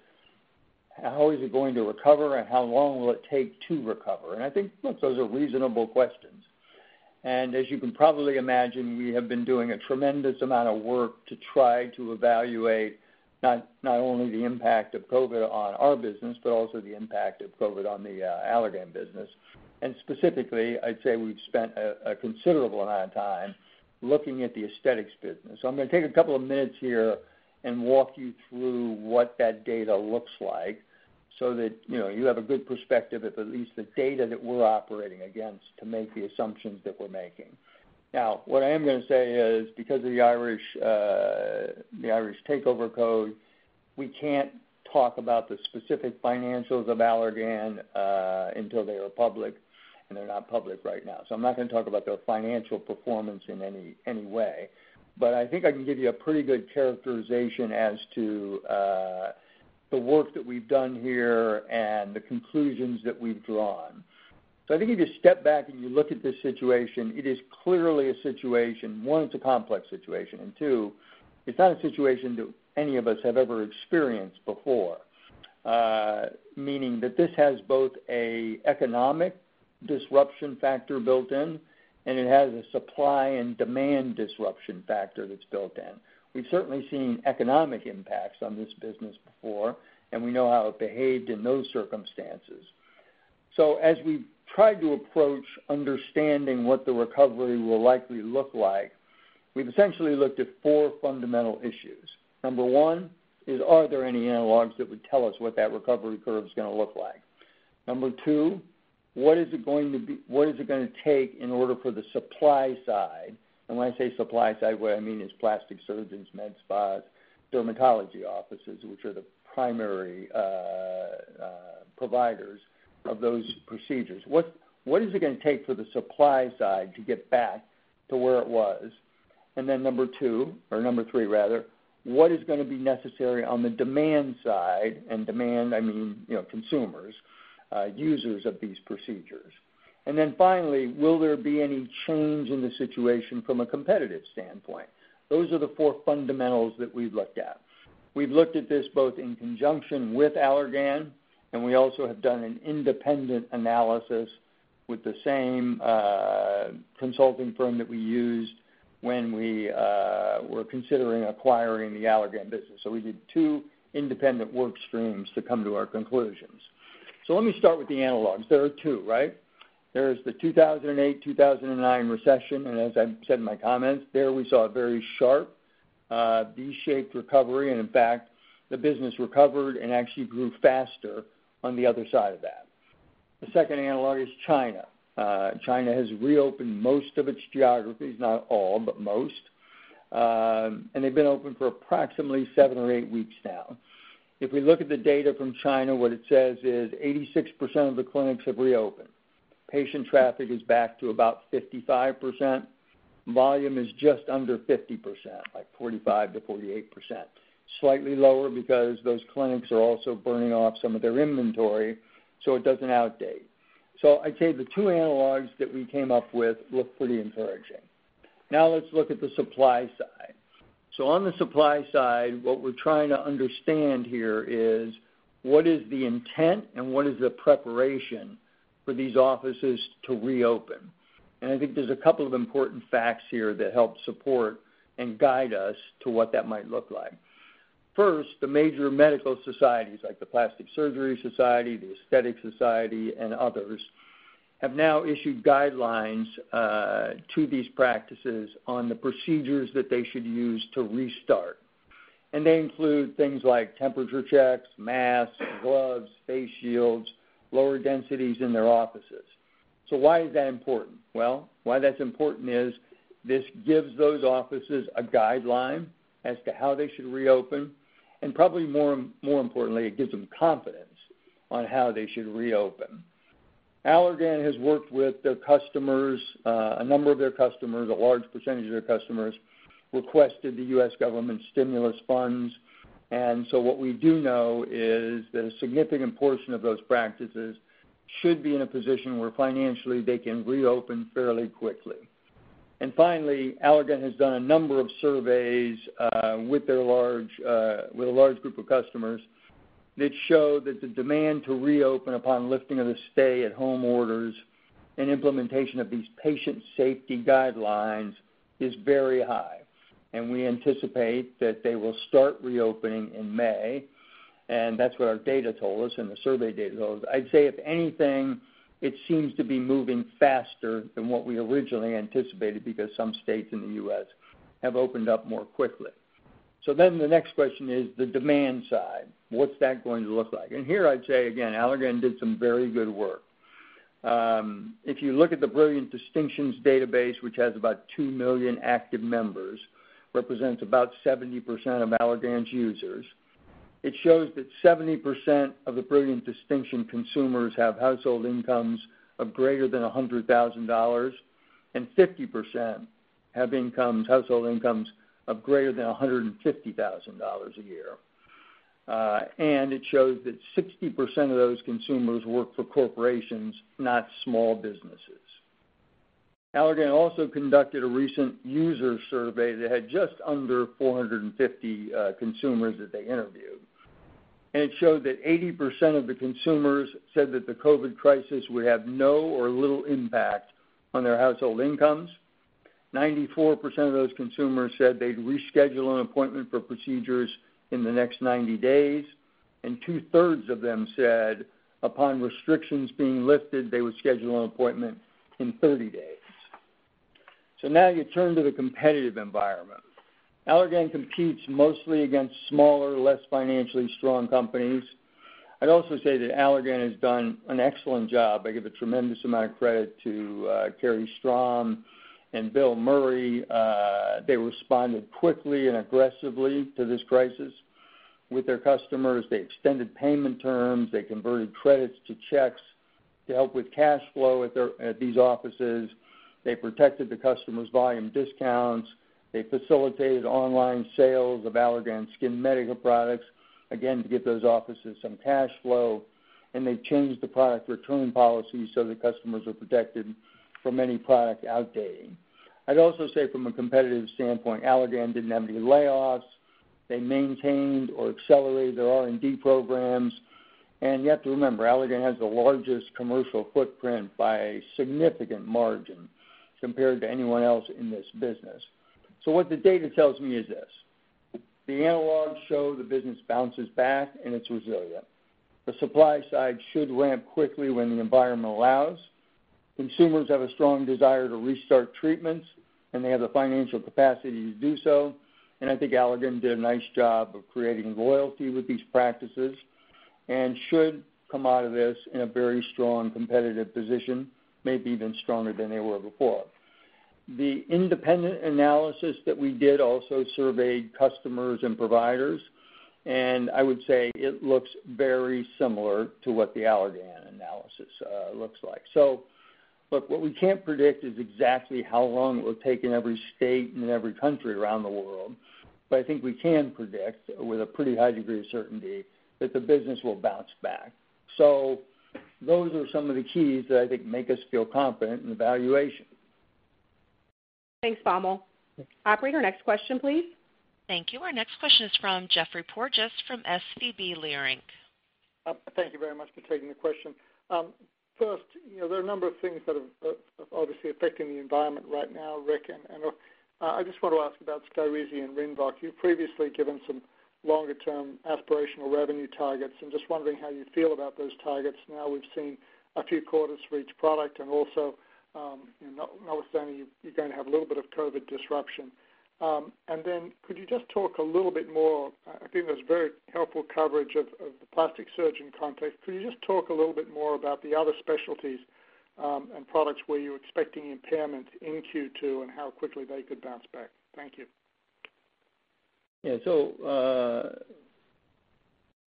how is it going to recover and how long will it take to recover? I think those are reasonable questions. As you can probably imagine, we have been doing a tremendous amount of work to try to evaluate not only the impact of COVID on our business, but also the impact of COVID on the Allergan business. Specifically, I'd say we've spent a considerable amount of time looking at the aesthetics business. I'm going to take a couple of minutes here and walk you through what that data looks like so that you have a good perspective of at least the data that we're operating against to make the assumptions that we're making. What I am going to say is, because of the Irish Takeover code, we can't talk about the specific financials of Allergan, until they are public, and they're not public right now. I'm not going to talk about their financial performance in any way. I think I can give you a pretty good characterization as to the work that we've done here and the conclusions that we've drawn. I think if you step back and you look at this situation, it is clearly a situation, one, it's a complex situation, and two, it's not a situation that any of us have ever experienced before. Meaning that this has both an economic disruption factor built in, and it has a supply and demand disruption factor that's built in. We've certainly seen economic impacts on this business before, and we know how it behaved in those circumstances. As we've tried to approach understanding what the recovery will likely look like, we've essentially looked at four fundamental issues. Number one is, are there any analogs that would tell us what that recovery curve is going to look like? Number two, what is it going to take in order for the supply side, and when I say supply side, what I mean is plastic surgeons, med spas, dermatology offices, which are the primary providers of those procedures. What is it going to take for the supply side to get back to where it was? Number two, or number three rather, what is going to be necessary on the demand side, and demand, I mean consumers, users of these procedures. Finally, will there be any change in the situation from a competitive standpoint? Those are the four fundamentals that we've looked at. We've looked at this both in conjunction with Allergan, and we also have done an independent analysis with the same consulting firm that we used when we were considering acquiring the Allergan business. We did two independent work streams to come to our conclusions. Let me start with the analogs. There are two, right? There's the 2008, 2009 recession, and as I said in my comments, there we saw a very sharp, V-shaped recovery. In fact, the business recovered and actually grew faster on the other side of that. The second analog is China. China has reopened most of its geographies, not all, but most. They've been open for approximately seven or eight weeks now. If we look at the data from China, what it says is 86% of the clinics have reopened. Patient traffic is back to about 55%. Volume is just under 50%, like 45%-48%, slightly lower because those clinics are also burning off some of their inventory so it doesn't outdate. I'd say the two analogs that we came up with look pretty encouraging. Let's look at the supply side. On the supply side, what we're trying to understand here is what is the intent and what is the preparation for these offices to reopen? I think there's a couple of important facts here that help support and guide us to what that might look like. First, the major medical societies, like the American Society of Plastic Surgeons, The Aesthetic Society, and others, have now issued guidelines to these practices on the procedures that they should use to restart. They include things like temperature checks, masks, gloves, face shields, lower densities in their offices. Why is that important? Why that's important is this gives those offices a guideline as to how they should reopen, and probably more importantly, it gives them confidence on how they should reopen. Allergan has worked with their customers, a number of their customers, a large percentage of their customers, requested the U.S. government stimulus funds. What we do know is that a significant portion of those practices should be in a position where financially they can reopen fairly quickly. Finally, Allergan has done a number of surveys with a large group of customers that show that the demand to reopen upon lifting of the stay-at-home orders and implementation of these patient safety guidelines is very high, and we anticipate that they will start reopening in May, and that's what our data told us and the survey data told us. I'd say if anything, it seems to be moving faster than what we originally anticipated because some states in the U.S. have opened up more quickly. The next question is the demand side. What's that going to look like? Here I'd say again, Allergan did some very good work. If you look at the Brilliant Distinctions database, which has about 2 million active members, represents about 70% of Allergan's users, it shows that 70% of the Brilliant Distinctions consumers have household incomes of greater than $100,000, and 50% have household incomes of greater than $150,000 a year. It shows that 60% of those consumers work for corporations, not small businesses. Allergan also conducted a recent user survey that had just under 450 consumers that they interviewed, and it showed that 80% of the consumers said that the COVID crisis would have no or little impact on their household incomes. 94% of those consumers said they'd reschedule an appointment for procedures in the next 90 days, and 2/3 of them said upon restrictions being lifted, they would schedule an appointment in 30 days. Now you turn to the competitive environment. Allergan competes mostly against smaller, less financially strong companies. I'd also say that Allergan has done an excellent job. I give a tremendous amount of credit to Carrie Strom and Bill Meury. They responded quickly and aggressively to this crisis with their customers. They extended payment terms. They converted credits to checks to help with cash flow at these offices. They protected the customers' volume discounts. They facilitated online sales of Allergan skin medical products, again, to get those offices some cash flow. They changed the product return policy so the customers are protected from any product outdating. I'd also say from a competitive standpoint, Allergan didn't have any layoffs. They maintained or accelerated their R&D programs. You have to remember, Allergan has the largest commercial footprint by a significant margin compared to anyone else in this business. What the data tells me is this. The analogs show the business bounces back and it's resilient. The supply side should ramp quickly when the environment allows. Consumers have a strong desire to restart treatments, and they have the financial capacity to do so. I think Allergan did a nice job of creating loyalty with these practices and should come out of this in a very strong competitive position, maybe even stronger than they were before. The independent analysis that we did also surveyed customers and providers, I would say it looks very similar to what the Allergan analysis looks like. Look, what we can't predict is exactly how long it will take in every state and in every country around the world. I think we can predict with a pretty high degree of certainty that the business will bounce back. Those are some of the keys that I think make us feel confident in the valuation. Thanks, Vamil. Yeah. Operator, next question, please. Thank you. Our next question is from Geoffrey Porges from SVB Leerink. Thank you very much for taking the question. First, there are a number of things that are obviously affecting the environment right now, Rick. I just want to ask about SKYRIZI and RINVOQ. You've previously given some longer-term aspirational revenue targets. I'm just wondering how you feel about those targets now we've seen a few quarters for each product and also notwithstanding you're going to have a little bit of COVID disruption. Could you just talk a little bit more, I think there's very helpful coverage of the plastic surgeon context. Could you just talk a little bit more about the other specialties and products where you're expecting impairments in Q2 and how quickly they could bounce back? Thank you.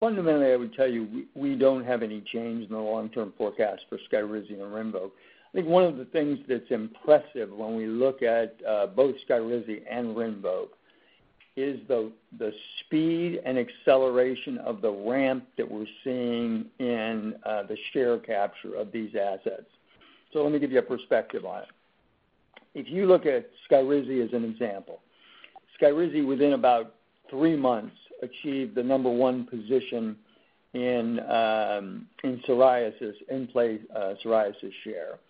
Fundamentally, I would tell you, we don't have any change in the long-term forecast for SKYRIZI and RINVOQ. I think one of the things that's impressive when we look at both SKYRIZI and RINVOQ is the speed and acceleration of the ramp that we're seeing in the share capture of these assets. Let me give you a perspective on it. If you look at SKYRIZI as an example, SKYRIZI within about three months achieved the number 1 position in psoriasis in-play, psoriasis share.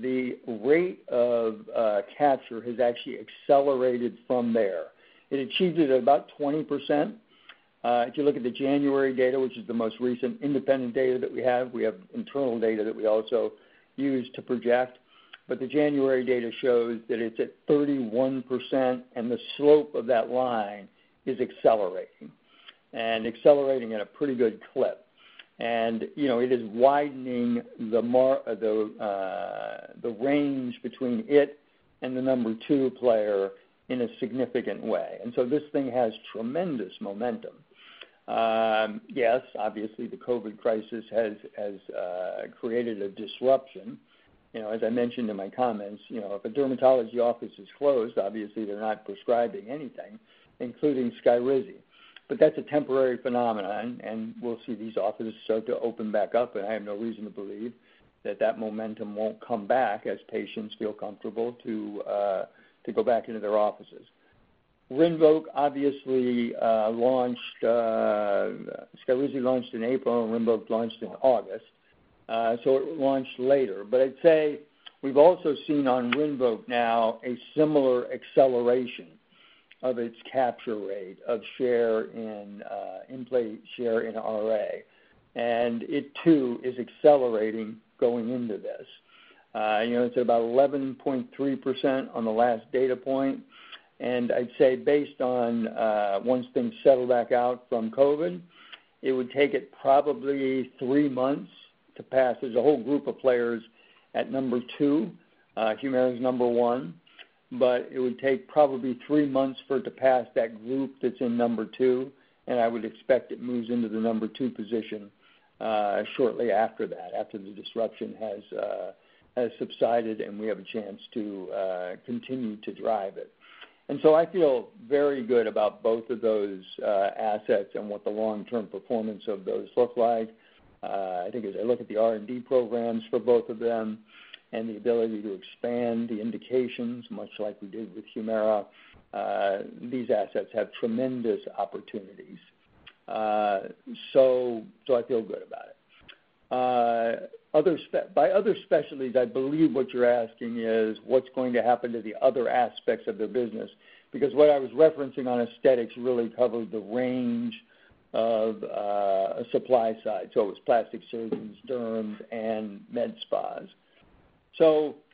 The rate of capture has actually accelerated from there. It achieves it at about 20%. If you look at the January data, which is the most recent independent data that we have, we have internal data that we also use to project, but the January data shows that it's at 31%, and the slope of that line is accelerating, and accelerating at a pretty good clip. It is widening the range between it and the number two player in a significant way. This thing has tremendous momentum. Yes, obviously, the COVID crisis has created a disruption. As I mentioned in my comments, if a dermatology office is closed, obviously they're not prescribing anything, including SKYRIZI. That's a temporary phenomenon, and we'll see these offices start to open back up, and I have no reason to believe that momentum won't come back as patients feel comfortable to go back into their offices. SKYRIZI launched in April. RINVOQ launched in August, it launched later. I'd say we've also seen on RINVOQ now a similar acceleration of its capture rate of share in in-play share in RA. It too is accelerating going into this. It's about 11.3% on the last data point. I'd say based on once things settle back out from COVID, it would take it probably three months to pass. There's a whole group of players at number two. HUMIRA's number one, it would take probably three months for it to pass that group that's in number two. I would expect it moves into the number two position shortly after that, after the disruption has subsided, we have a chance to continue to drive it. I feel very good about both of those assets and what the long-term performance of those look like. I think as I look at the R&D programs for both of them and the ability to expand the indications, much like we did with HUMIRA, these assets have tremendous opportunities. I feel good about it. By other specialties, I believe what you're asking is what's going to happen to the other aspects of their business? Because what I was referencing on aesthetics really covered the range of supply side, so it was plastic surgeons, derms, and med spas.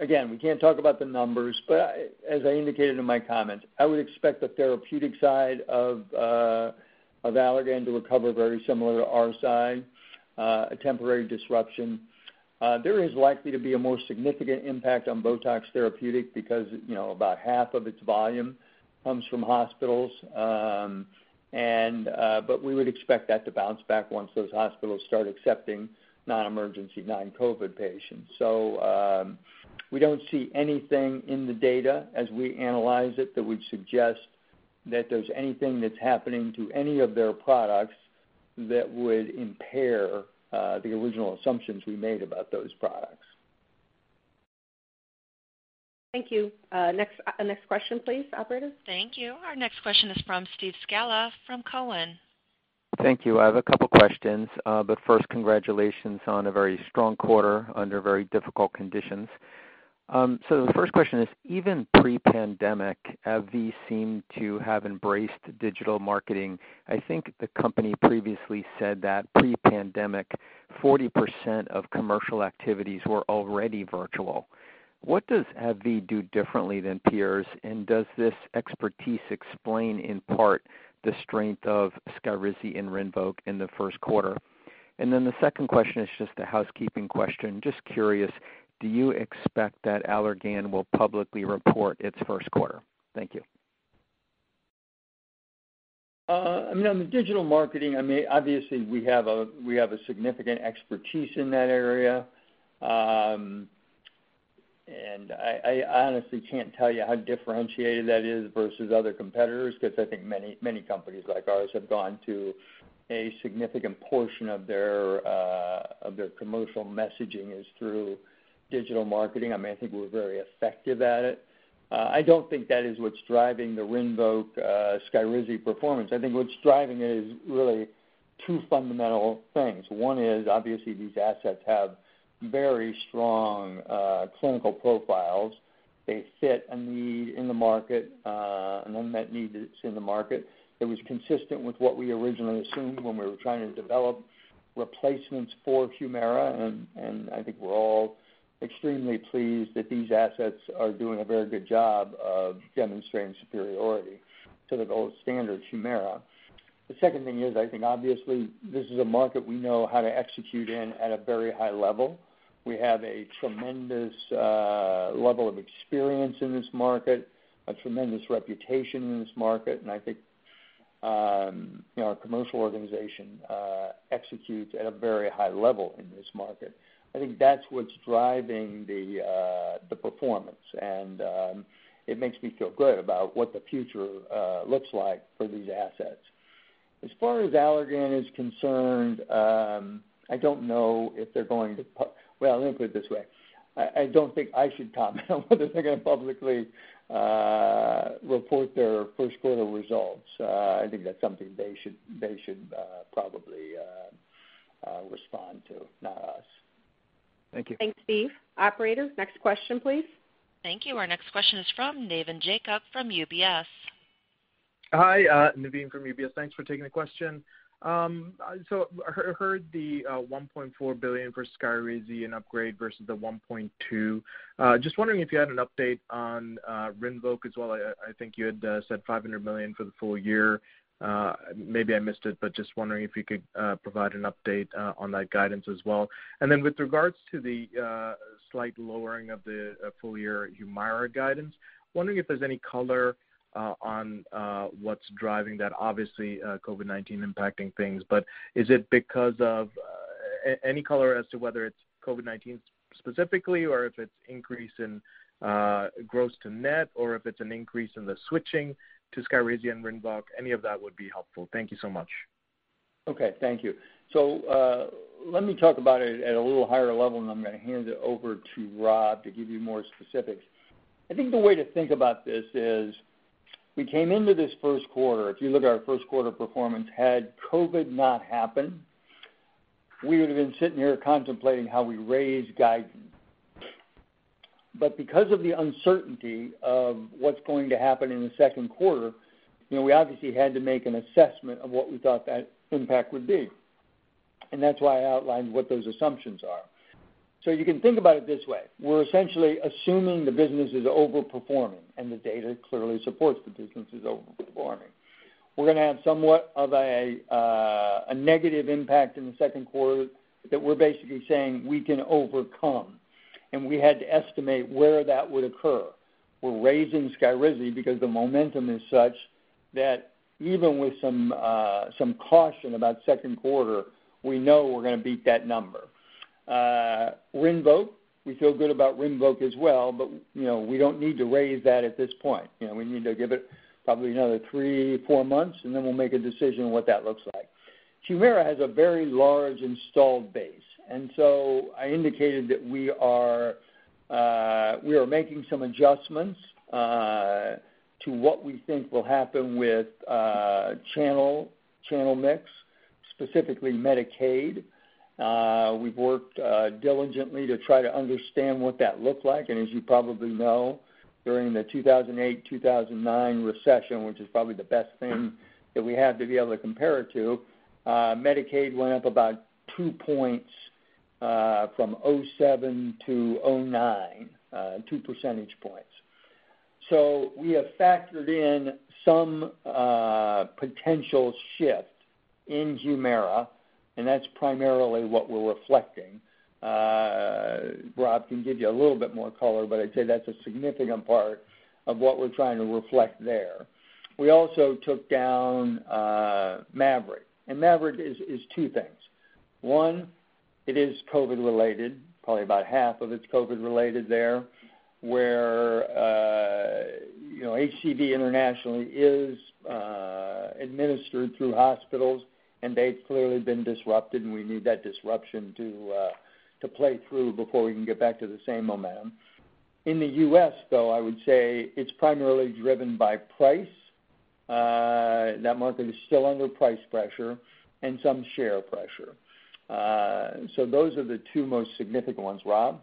Again, we can't talk about the numbers, but as I indicated in my comments, I would expect the therapeutic side of Allergan to recover very similar to our side, a temporary disruption. There is likely to be a more significant impact on BOTOX Therapeutic because about half of its volume comes from hospitals. We would expect that to bounce back once those hospitals start accepting non-emergency, non-COVID patients. We don't see anything in the data as we analyze it that would suggest that there's anything that's happening to any of their products that would impair the original assumptions we made about those products. Thank you. Next question please, operator. Thank you. Our next question is from Steve Scala from Cowen. Thank you. I have a couple questions. First, congratulations on a very strong quarter under very difficult conditions. The first question is, even pre-pandemic, AbbVie seemed to have embraced digital marketing. I think the company previously said that pre-pandemic, 40% of commercial activities were already virtual. What does AbbVie do differently than peers? Does this expertise explain in part the strength of SKYRIZI and RINVOQ in the first quarter? The second question is just a housekeeping question. Just curious, do you expect that Allergan will publicly report its first quarter? Thank you. On the digital marketing, obviously we have a significant expertise in that area. I honestly can't tell you how differentiated that is versus other competitors because I think many companies like ours have gone to a significant portion of their commercial messaging is through digital marketing. I think we're very effective at it. I don't think that is what's driving the RINVOQ, SKYRIZI performance. I think what's driving it is really two fundamental things. One is obviously these assets have very strong clinical profiles. They fit a need in the market, an unmet need that's in the market that was consistent with what we originally assumed when we were trying to develop replacements for HUMIRA. I think we're all extremely pleased that these assets are doing a very good job of demonstrating superiority to the gold standard, HUMIRA. The second thing is, I think, obviously, this is a market we know how to execute in at a very high level. We have a tremendous level of experience in this market, a tremendous reputation in this market, and I think our commercial organization executes at a very high level in this market. I think that’s what’s driving the performance, and it makes me feel good about what the future looks like for these assets. As far as Allergan is concerned, I don’t know if they’re going to. Well, let me put it this way. I don’t think I should comment on whether they’re going to publicly report their first quarter results. I think that’s something they should probably respond to, not us. Thank you. Thanks, Steve. Operator, next question, please. Thank you. Our next question is from Navin Jacob from UBS. Hi, Navin from UBS. Thanks for taking the question. Heard the $1.4 billion for SKYRIZI and upgrade versus the $1.2 billion. Just wondering if you had an update on RINVOQ as well. I think you had said $500 million for the full year. Maybe I missed it, but just wondering if you could provide an update on that guidance as well. With regards to the slight lowering of the full-year HUMIRA guidance, wondering if there's any color on what's driving that. Obviously, COVID-19 impacting things, but any color as to whether it's COVID-19 specifically, or if it's increase in gross to net, or if it's an increase in the switching to SKYRIZI and RINVOQ, any of that would be helpful. Thank you so much. Okay. Thank you. Let me talk about it at a little higher level, and then I'm going to hand it over to Rob to give you more specifics. I think the way to think about this is we came into this first quarter, if you look at our first quarter performance, had COVID not happened, we would've been sitting here contemplating how we raise guidance. Because of the uncertainty of what's going to happen in the second quarter, we obviously had to make an assessment of what we thought that impact would be. That's why I outlined what those assumptions are. You can think about it this way. We're essentially assuming the business is overperforming, and the data clearly supports the business is overperforming. We're going to have somewhat of a negative impact in the second quarter that we're basically saying we can overcome, and we had to estimate where that would occur. We're raising SKYRIZI because the momentum is such that even with some caution about second quarter, we know we're going to beat that number. RINVOQ, we feel good about RINVOQ as well, but we don't need to raise that at this point. We need to give it probably another three, four months, and then we'll make a decision on what that looks like. HUMIRA has a very large installed base, and so I indicated that we are making some adjustments to what we think will happen with channel mix, specifically Medicaid. We've worked diligently to try to understand what that looked like, and as you probably know, during the 2008, 2009 recession, which is probably the best thing that we have to be able to compare it to, Medicaid went up about two points, from 2007 to 2009, two percentage points. We have factored in some potential shift in HUMIRA, and that's primarily what we're reflecting. Rob can give you a little bit more color, but I'd say that's a significant part of what we're trying to reflect there. We also took down MAVYRET, and MAVYRET is two things. One, it is COVID-related, probably about half of it's COVID-related there, where HCV internationally is administered through hospitals, and they've clearly been disrupted, and we need that disruption to play through before we can get back to the same momentum. In the U.S., though, I would say it's primarily driven by price. That market is still under price pressure and some share pressure. Those are the two most significant ones. Rob?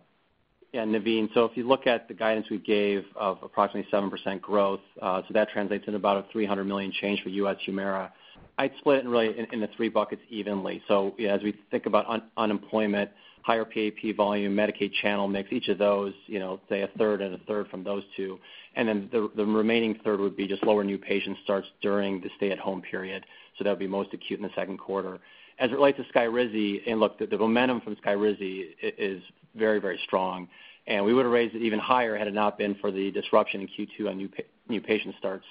Yeah, Navin. If you look at the guidance we gave of approximately 7% growth, that translates in about a $300 million change for U.S. HUMIRA. I'd split it really in the three buckets evenly. As we think about unemployment, higher PAP volume, Medicaid channel mix, each of those, say, a third and a third from those two, and the remaining third would be just lower new patient starts during the stay-at-home period. That would be most acute in the second quarter. As it relates to SKYRIZI, look, the momentum from SKYRIZI is very strong, and we would've raised it even higher had it not been for the disruption in Q2 on new patient starts.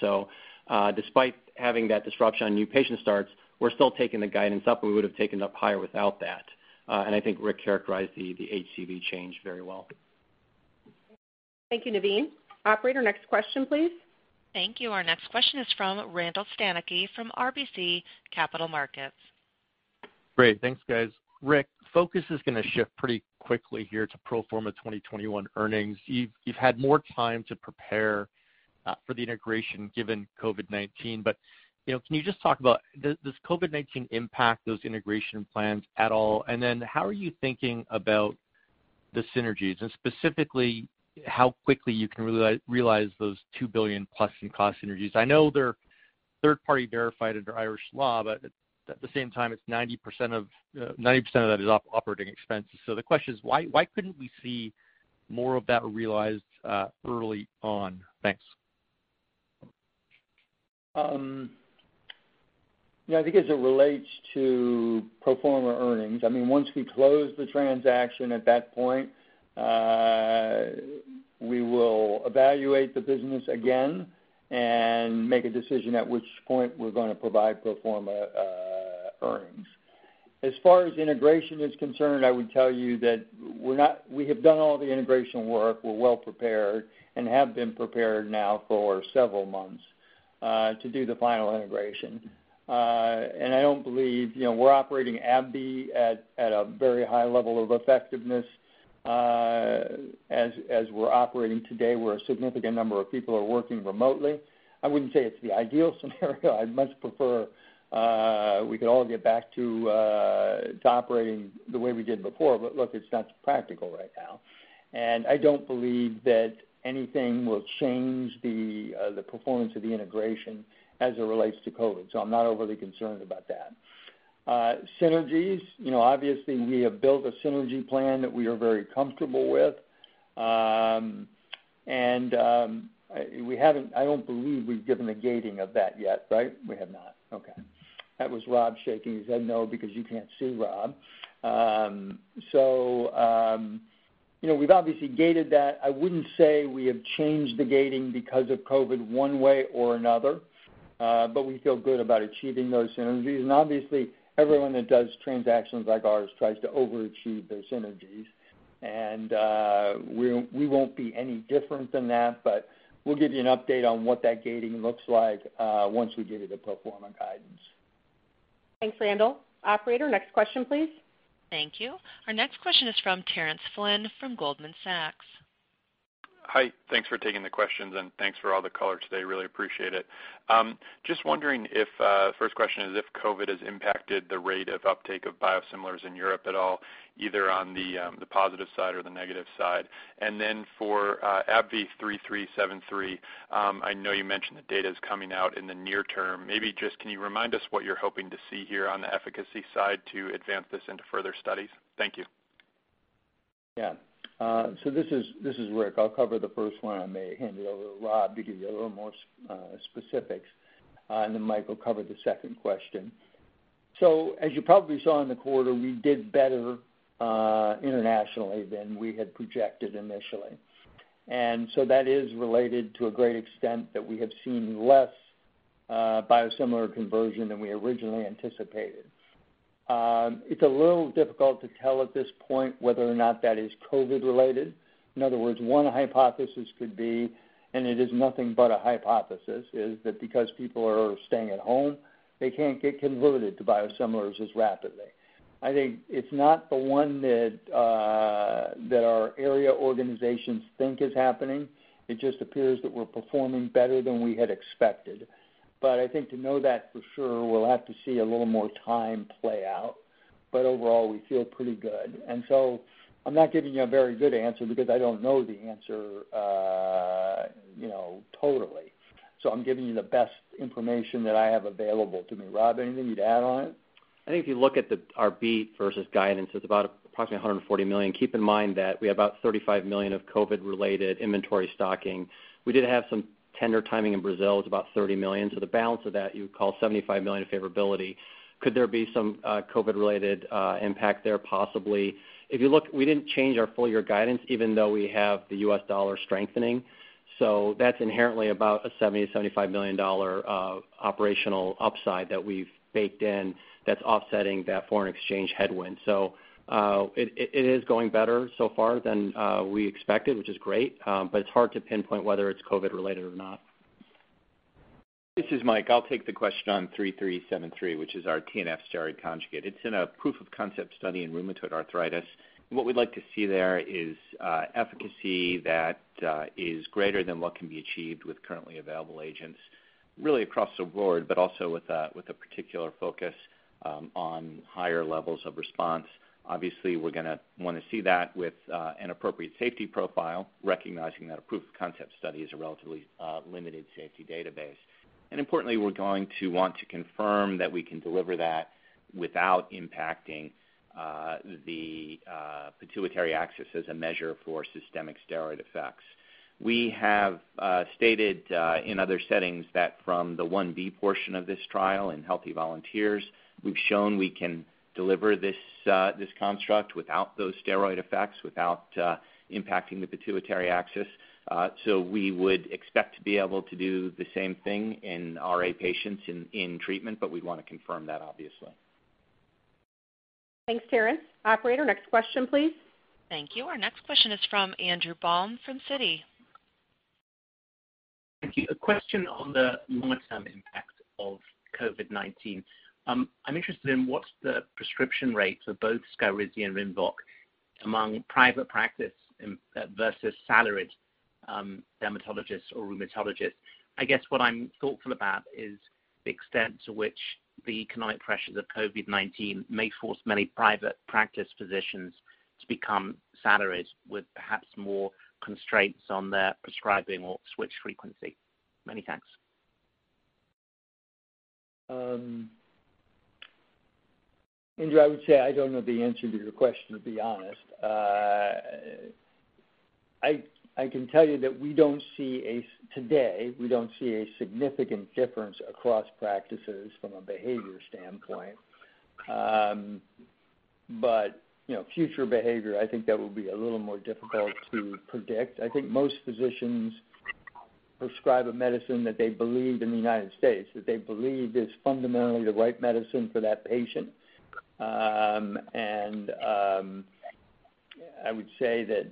Despite having that disruption on new patient starts, we're still taking the guidance up, and we would've taken it up higher without that. I think Rick characterized the HCV change very well. Thank you, Navin. Operator, next question, please. Thank you. Our next question is from Randall Stanicky from RBC Capital Markets. Great. Thanks, guys. Rick, focus is going to shift pretty quickly here to pro forma 2021 earnings. Can you just talk about, does COVID-19 impact those integration plans at all? How are you thinking about the synergies, and specifically how quickly you can realize those $2 billion+ in cost synergies? I know they're third-party verified under Irish law, at the same time, 90% of that is operating expenses. The question is, why couldn't we see more of that realized early on? Thanks. Yeah, I think as it relates to pro forma earnings, once we close the transaction, at that point, we will evaluate the business again and make a decision at which point we're going to provide pro forma earnings. As far as integration is concerned, I would tell you that we have done all the integration work. We're well prepared and have been prepared now for several months to do the final integration. I don't believe, we're operating AbbVie at a very high level of effectiveness as we're operating today, where a significant number of people are working remotely. I wouldn't say it's the ideal scenario. I'd much prefer we could all get back to operating the way we did before. Look, it's not practical right now. I don't believe that anything will change the performance of the integration as it relates to COVID, so I'm not overly concerned about that. Synergies, obviously we have built a synergy plan that we are very comfortable with. I don't believe we've given a gating of that yet, right? We have not. Okay. That was Rob shaking his head no, because you can't see Rob. We've obviously gated that. I wouldn't say we have changed the gating because of COVID one way or another. We feel good about achieving those synergies. Obviously, everyone that does transactions like ours tries to overachieve those synergies, and we won't be any different than that. We'll give you an update on what that gating looks like once we give you the pro forma guidance. Thanks, Randall. Operator, next question, please. Thank you. Our next question is from Terence Flynn from Goldman Sachs. Hi. Thanks for taking the questions and thanks for all the color today. Really appreciate it. First question is if COVID has impacted the rate of uptake of biosimilars in Europe at all, either on the positive side or the negative side. For ABBV-3373, I know you mentioned the data's coming out in the near term. Maybe just can you remind us what you're hoping to see here on the efficacy side to advance this into further studies? This is Rick. I'll cover the first one, and may hand it over to Rob to give you a little more specifics, and then Mike will cover the second question. As you probably saw in the quarter, we did better internationally than we had projected initially. That is related to a great extent that we have seen less biosimilar conversion than we originally anticipated. It's a little difficult to tell at this point whether or not that is COVID related. In other words, one hypothesis could be, and it is nothing but a hypothesis, is that because people are staying at home, they can't get converted to biosimilars as rapidly. I think it's not the one that our area organizations think is happening. It just appears that we're performing better than we had expected. I think to know that for sure, we'll have to see a little more time play out. Overall, we feel pretty good. I'm not giving you a very good answer because I don't know the answer totally. I'm giving you the best information that I have available to me. Rob, anything you'd add on it? I think if you look at our beat versus guidance, it's about approximately $140 million. Keep in mind that we have about $35 million of COVID-related inventory stocking. We did have some tender timing in Brazil. It's about $30 million. The balance of that, you would call $75 million a favorability. Could there be some COVID-related impact there? Possibly. If you look, we didn't change our full year guidance, even though we have the U.S. dollar strengthening. That's inherently about a $70 million-$75 million operational upside that we've baked in that's offsetting that foreign exchange headwind. It is going better so far than we expected, which is great. It's hard to pinpoint whether it's COVID-related or not. This is Mike. I'll take the question on ABBV-3373, which is our TNF steroid conjugate. It's in a proof of concept study in rheumatoid arthritis. What we'd like to see there is efficacy that is greater than what can be achieved with currently available agents, really across the board, also with a particular focus on higher levels of response. Obviously, we're going to want to see that with an appropriate safety profile, recognizing that a proof of concept study is a relatively limited safety database. Importantly, we're going to want to confirm that we can deliver that without impacting the hypothalamic-pituitary-adrenal axis as a measure for systemic steroid effects. We have stated in other settings that from the phase I-B portion of this trial in healthy volunteers, we've shown we can deliver this construct without those steroid effects, without impacting the hypothalamic-pituitary-adrenal axis. We would expect to be able to do the same thing in RA patients in treatment, but we'd want to confirm that, obviously. Thanks, Terence. Operator, next question, please. Thank you. Our next question is from Andrew Baum from Citi. Thank you. A question on the long-term impact of COVID-19. I'm interested in what's the prescription rates of both SKYRIZI and RINVOQ among private practice versus salaried dermatologists or rheumatologists. I guess what I'm thoughtful about is the extent to which the economic pressures of COVID-19 may force many private practice physicians to become salaried with perhaps more constraints on their prescribing or switch frequency. Many thanks. Andrew, I would say I don't know the answer to your question, to be honest. I can tell you that today, we don't see a significant difference across practices from a behavior standpoint. Future behavior, I think that will be a little more difficult to predict. I think most physicians prescribe a medicine in the U.S. that they believe is fundamentally the right medicine for that patient. I would say that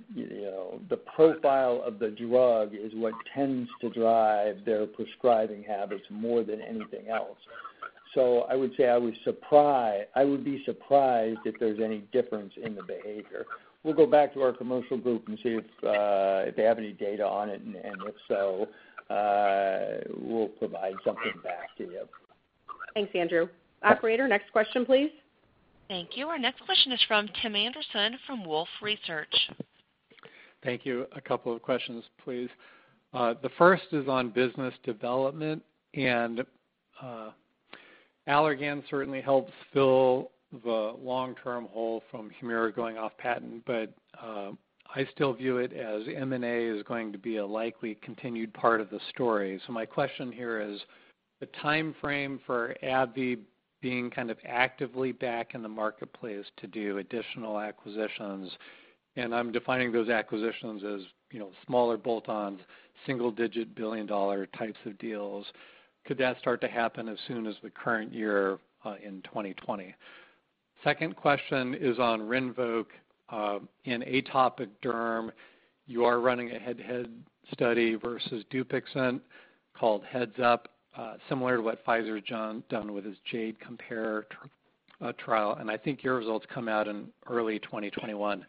the profile of the drug is what tends to drive their prescribing habits more than anything else. I would say I would be surprised if there's any difference in the behavior. We'll go back to our commercial group and see if they have any data on it, and if so, we'll provide something back to you. Thanks, Andrew. Yeah. Operator, next question, please. Thank you. Our next question is from Tim Anderson from Wolfe Research. Thank you. A couple of questions, please. The first is on business development and Allergan certainly helped fill the long-term hole from HUMIRA going off patent. I still view it as M&A is going to be a likely continued part of the story. My question here is the timeframe for AbbVie being kind of actively back in the marketplace to do additional acquisitions, and I'm defining those acquisitions as smaller bolt-ons, single-digit billion-dollar types of deals. Could that start to happen as soon as the current year, in 2020? Second question is on RINVOQ. In atopic derm, you are running a head-to-head study versus DUPIXENT called Heads Up, similar to what Pfizer has done with its JADE COMPARE trial, and I think your results come out in early 2021.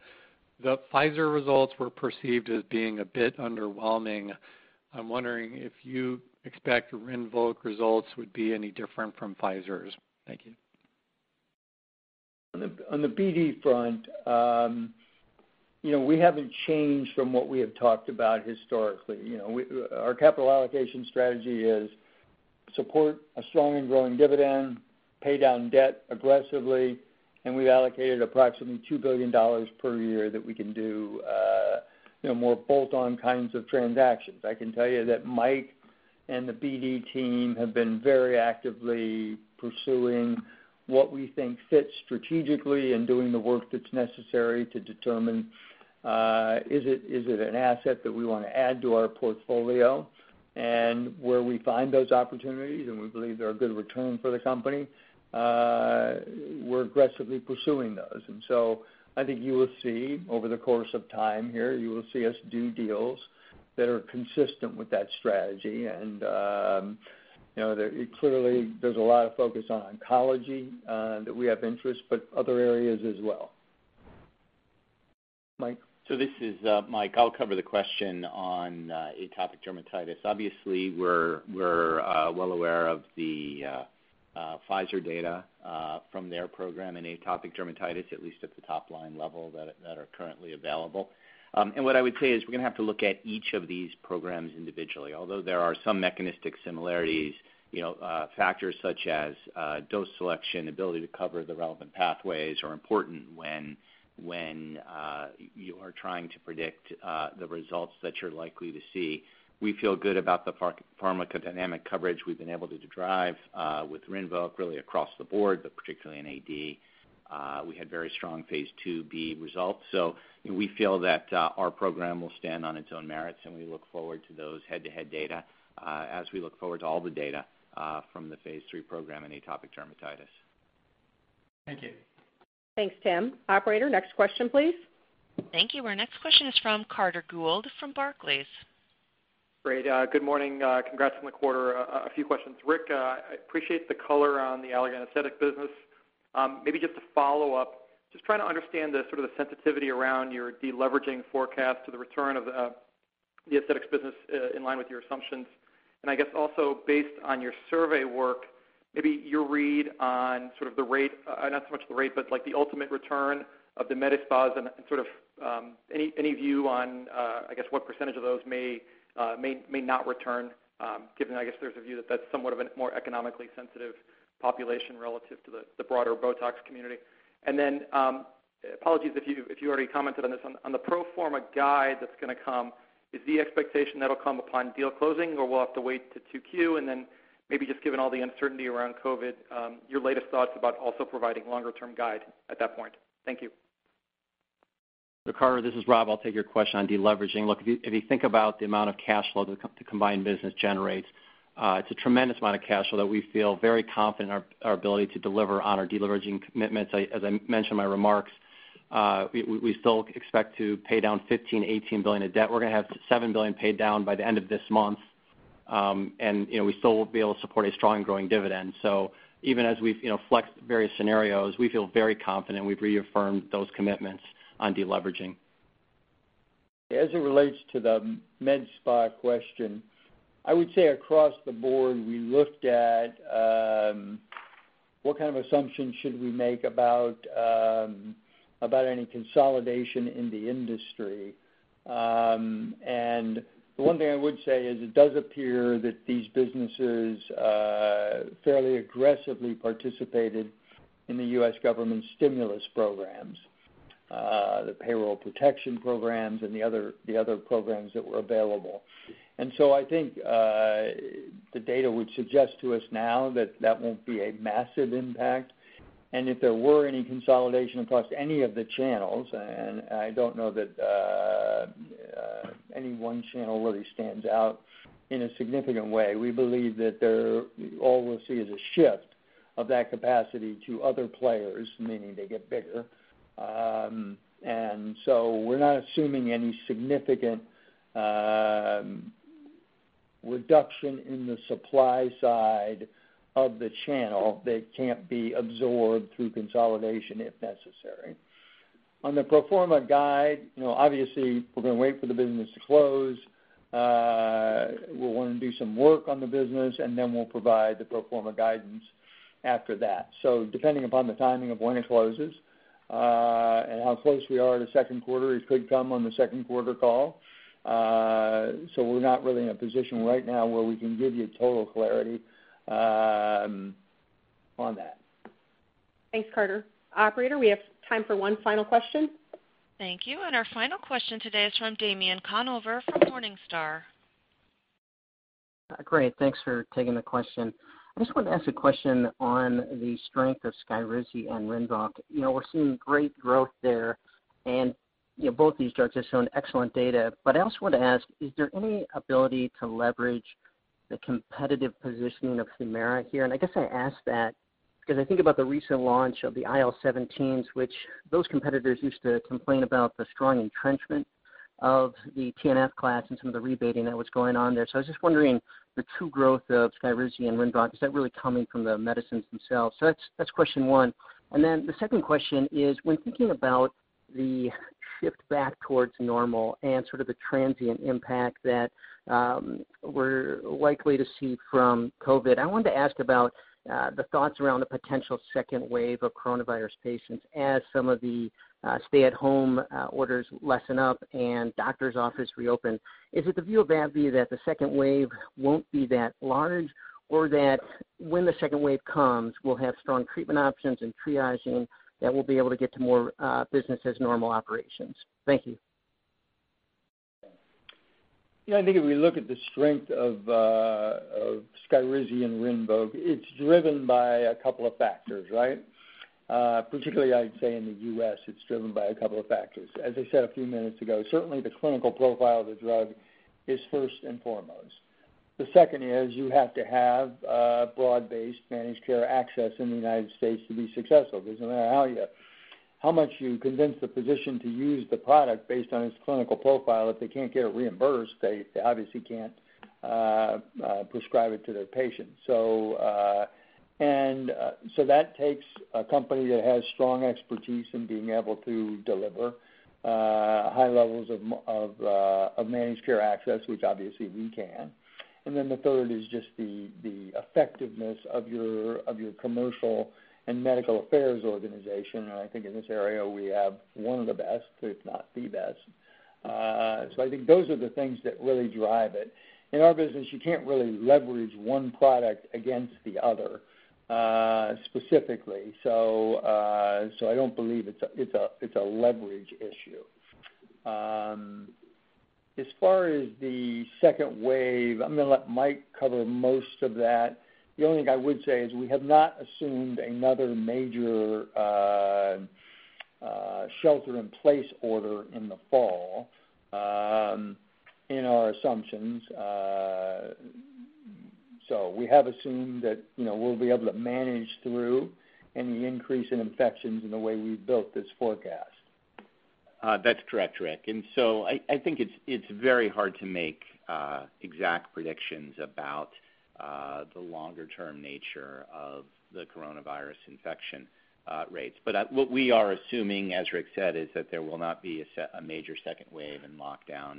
The Pfizer results were perceived as being a bit underwhelming. I'm wondering if you expect RINVOQ results would be any different from Pfizer's. Thank you. On the BD front, we haven't changed from what we have talked about historically. Our capital allocation strategy is support a strong and growing dividend, pay down debt aggressively, and we've allocated approximately $2 billion per year that we can do more bolt-on kinds of transactions. I can tell you that Mike and the BD team have been very actively pursuing what we think fits strategically and doing the work that's necessary to determine, is it an asset that we want to add to our portfolio. Where we find those opportunities, and we believe they're a good return for the company, we're aggressively pursuing those. I think you will see over the course of time here, you will see us do deals that are consistent with that strategy. Clearly, there's a lot of focus on oncology, that we have interest, but other areas as well. Mike? This is Mike. I'll cover the question on atopic dermatitis. Obviously, we're well aware of the Pfizer data from their program in atopic dermatitis, at least at the top line level that are currently available. What I would say is we're going to have to look at each of these programs individually. Although there are some mechanistic similarities, factors such as dose selection, ability to cover the relevant pathways are important when you are trying to predict the results that you're likely to see. We feel good about the pharmacodynamic coverage we've been able to drive with RINVOQ, really across the board, but particularly in AD. We had very strong phase IIb results, so we feel that our program will stand on its own merits, and we look forward to those head-to-head data as we look forward to all the data from the phase III program in atopic dermatitis. Thank you. Thanks, Tim. Operator, next question, please. Thank you. Our next question is from Carter Gould from Barclays. Great. Good morning. Congrats on the quarter. A few questions. Rick, I appreciate the color on the Allergan aesthetic business. Maybe just to follow up, just trying to understand the sort of the sensitivity around your de-leveraging forecast to the return of the aesthetics business in line with your assumptions, and I guess also based on your survey work, maybe your read on sort of the rate, not so much the rate, but like the ultimate return of the med spas and sort of any view on I guess what percentage of those may not return, given, I guess there's a view that that's somewhat of a more economically sensitive population relative to the broader BOTOX community. Apologies if you already commented on this. On the pro forma guide that's going to come, is the expectation that'll come upon deal closing, or we'll have to wait to 2Q and then maybe just given all the uncertainty around COVID, your latest thoughts about also providing longer term guide at that point? Thank you. Carter, this is Rob. I'll take your question on de-leveraging. If you think about the amount of cash flow the combined business generates, it's a tremendous amount of cash flow that we feel very confident in our ability to deliver on our de-leveraging commitments. As I mentioned in my remarks, we still expect to pay down $15 billion-$18 billion of debt. We're going to have $7 billion paid down by the end of this month. We still will be able to support a strong growing dividend. Even as we've flexed various scenarios, we feel very confident we've reaffirmed those commitments on de-leveraging. As it relates to the med spa question, I would say across the board, we looked at what kind of assumptions should we make about any consolidation in the industry. The one thing I would say is it does appear that these businesses fairly aggressively participated in the U.S. government's stimulus programs, the Payroll Protection Programs, and the other programs that were available. I think the data would suggest to us now that that won't be a massive impact. If there were any consolidation across any of the channels, and I don't know that any one channel really stands out in a significant way. We believe that all we'll see is a shift of that capacity to other players, meaning they get bigger. We're not assuming any significant reduction in the supply side of the channel that can't be absorbed through consolidation if necessary. On the pro forma guide, obviously we're going to wait for the business to close. We want to do some work on the business, and then we'll provide the pro forma guidance after that. Depending upon the timing of when it closes, and how close we are to second quarter, it could come on the second quarter call. We're not really in a position right now where we can give you total clarity on that. Thanks, Carter. Operator, we have time for one final question. Thank you. Our final question today is from Damien Conover from Morningstar. Great. Thanks for taking the question. I just wanted to ask a question on the strength of SKYRIZI and RINVOQ. We're seeing great growth there, and both these drugs have shown excellent data. I also wanted to ask, is there any ability to leverage the competitive positioning of HUMIRA here? I guess I ask that because I think about the recent launch of the IL-17s, which those competitors used to complain about the strong entrenchment of the TNF class and some of the rebating that was going on there. I was just wondering, the true growth of SKYRIZI and RINVOQ, is that really coming from the medicines themselves? That's question one. The second question is, when thinking about the shift back towards normal and sort of the transient impact that we're likely to see from COVID, I wanted to ask about the thoughts around a potential second wave of coronavirus patients as some of the stay-at-home orders lessen up and doctor's office reopen. Is it the view of AbbVie that the second wave won't be that large, or that when the second wave comes, we'll have strong treatment options and triaging that will be able to get to more business as normal operations? Thank you. Yeah, I think if we look at the strength of SKYRIZI and RINVOQ, it's driven by a couple of factors, right? Particularly, I'd say in the U.S., it's driven by a couple of factors. As I said a few minutes ago, certainly the clinical profile of the drug is first and foremost. The second is you have to have broad-based managed care access in the United States to be successful, because no matter how much you convince the physician to use the product based on its clinical profile, if they can't get it reimbursed, they obviously can't prescribe it to their patients. That takes a company that has strong expertise in being able to deliver high levels of managed care access, which obviously we can. The third is just the effectiveness of your commercial and medical affairs organization, and I think in this area, we have one of the best, if not the best. I think those are the things that really drive it. In our business, you can't really leverage one product against the other, specifically. I don't believe it's a leverage issue. As far as the second wave, I'm going to let Mike cover most of that. The only thing I would say is we have not assumed another major shelter-in-place order in the fall in our assumptions. We have assumed that we'll be able to manage through any increase in infections in the way we've built this forecast. That's correct, Rick. I think it's very hard to make exact predictions about the longer-term nature of the coronavirus infection rates. What we are assuming, as Rick said, is that there will not be a major second wave and lockdown.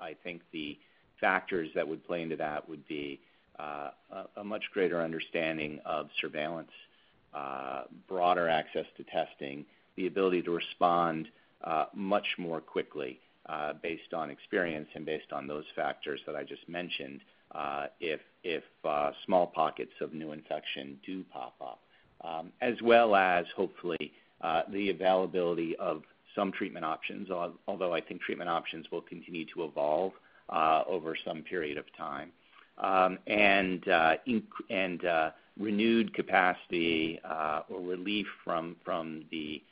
I think the factors that would play into that would be a much greater understanding of surveillance, broader access to testing, the ability to respond much more quickly based on experience and based on those factors that I just mentioned if small pockets of new infection do pop up, as well as hopefully the availability of some treatment options, although I think treatment options will continue to evolve over some period of time, and renewed capacity or relief from the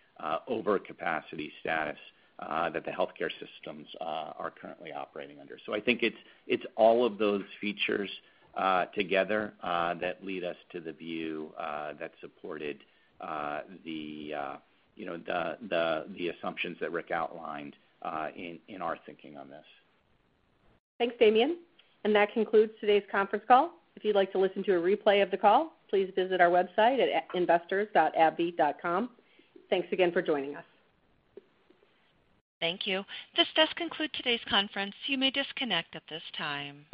overcapacity status that the healthcare systems are currently operating under. I think it's all of those features together that lead us to the view that supported the assumptions that Rick outlined in our thinking on this. Thanks, Damien. That concludes today's conference call. If you'd like to listen to a replay of the call, please visit our website at investors.abbvie.com. Thanks again for joining us. Thank you. This does conclude today's conference. You may disconnect at this time.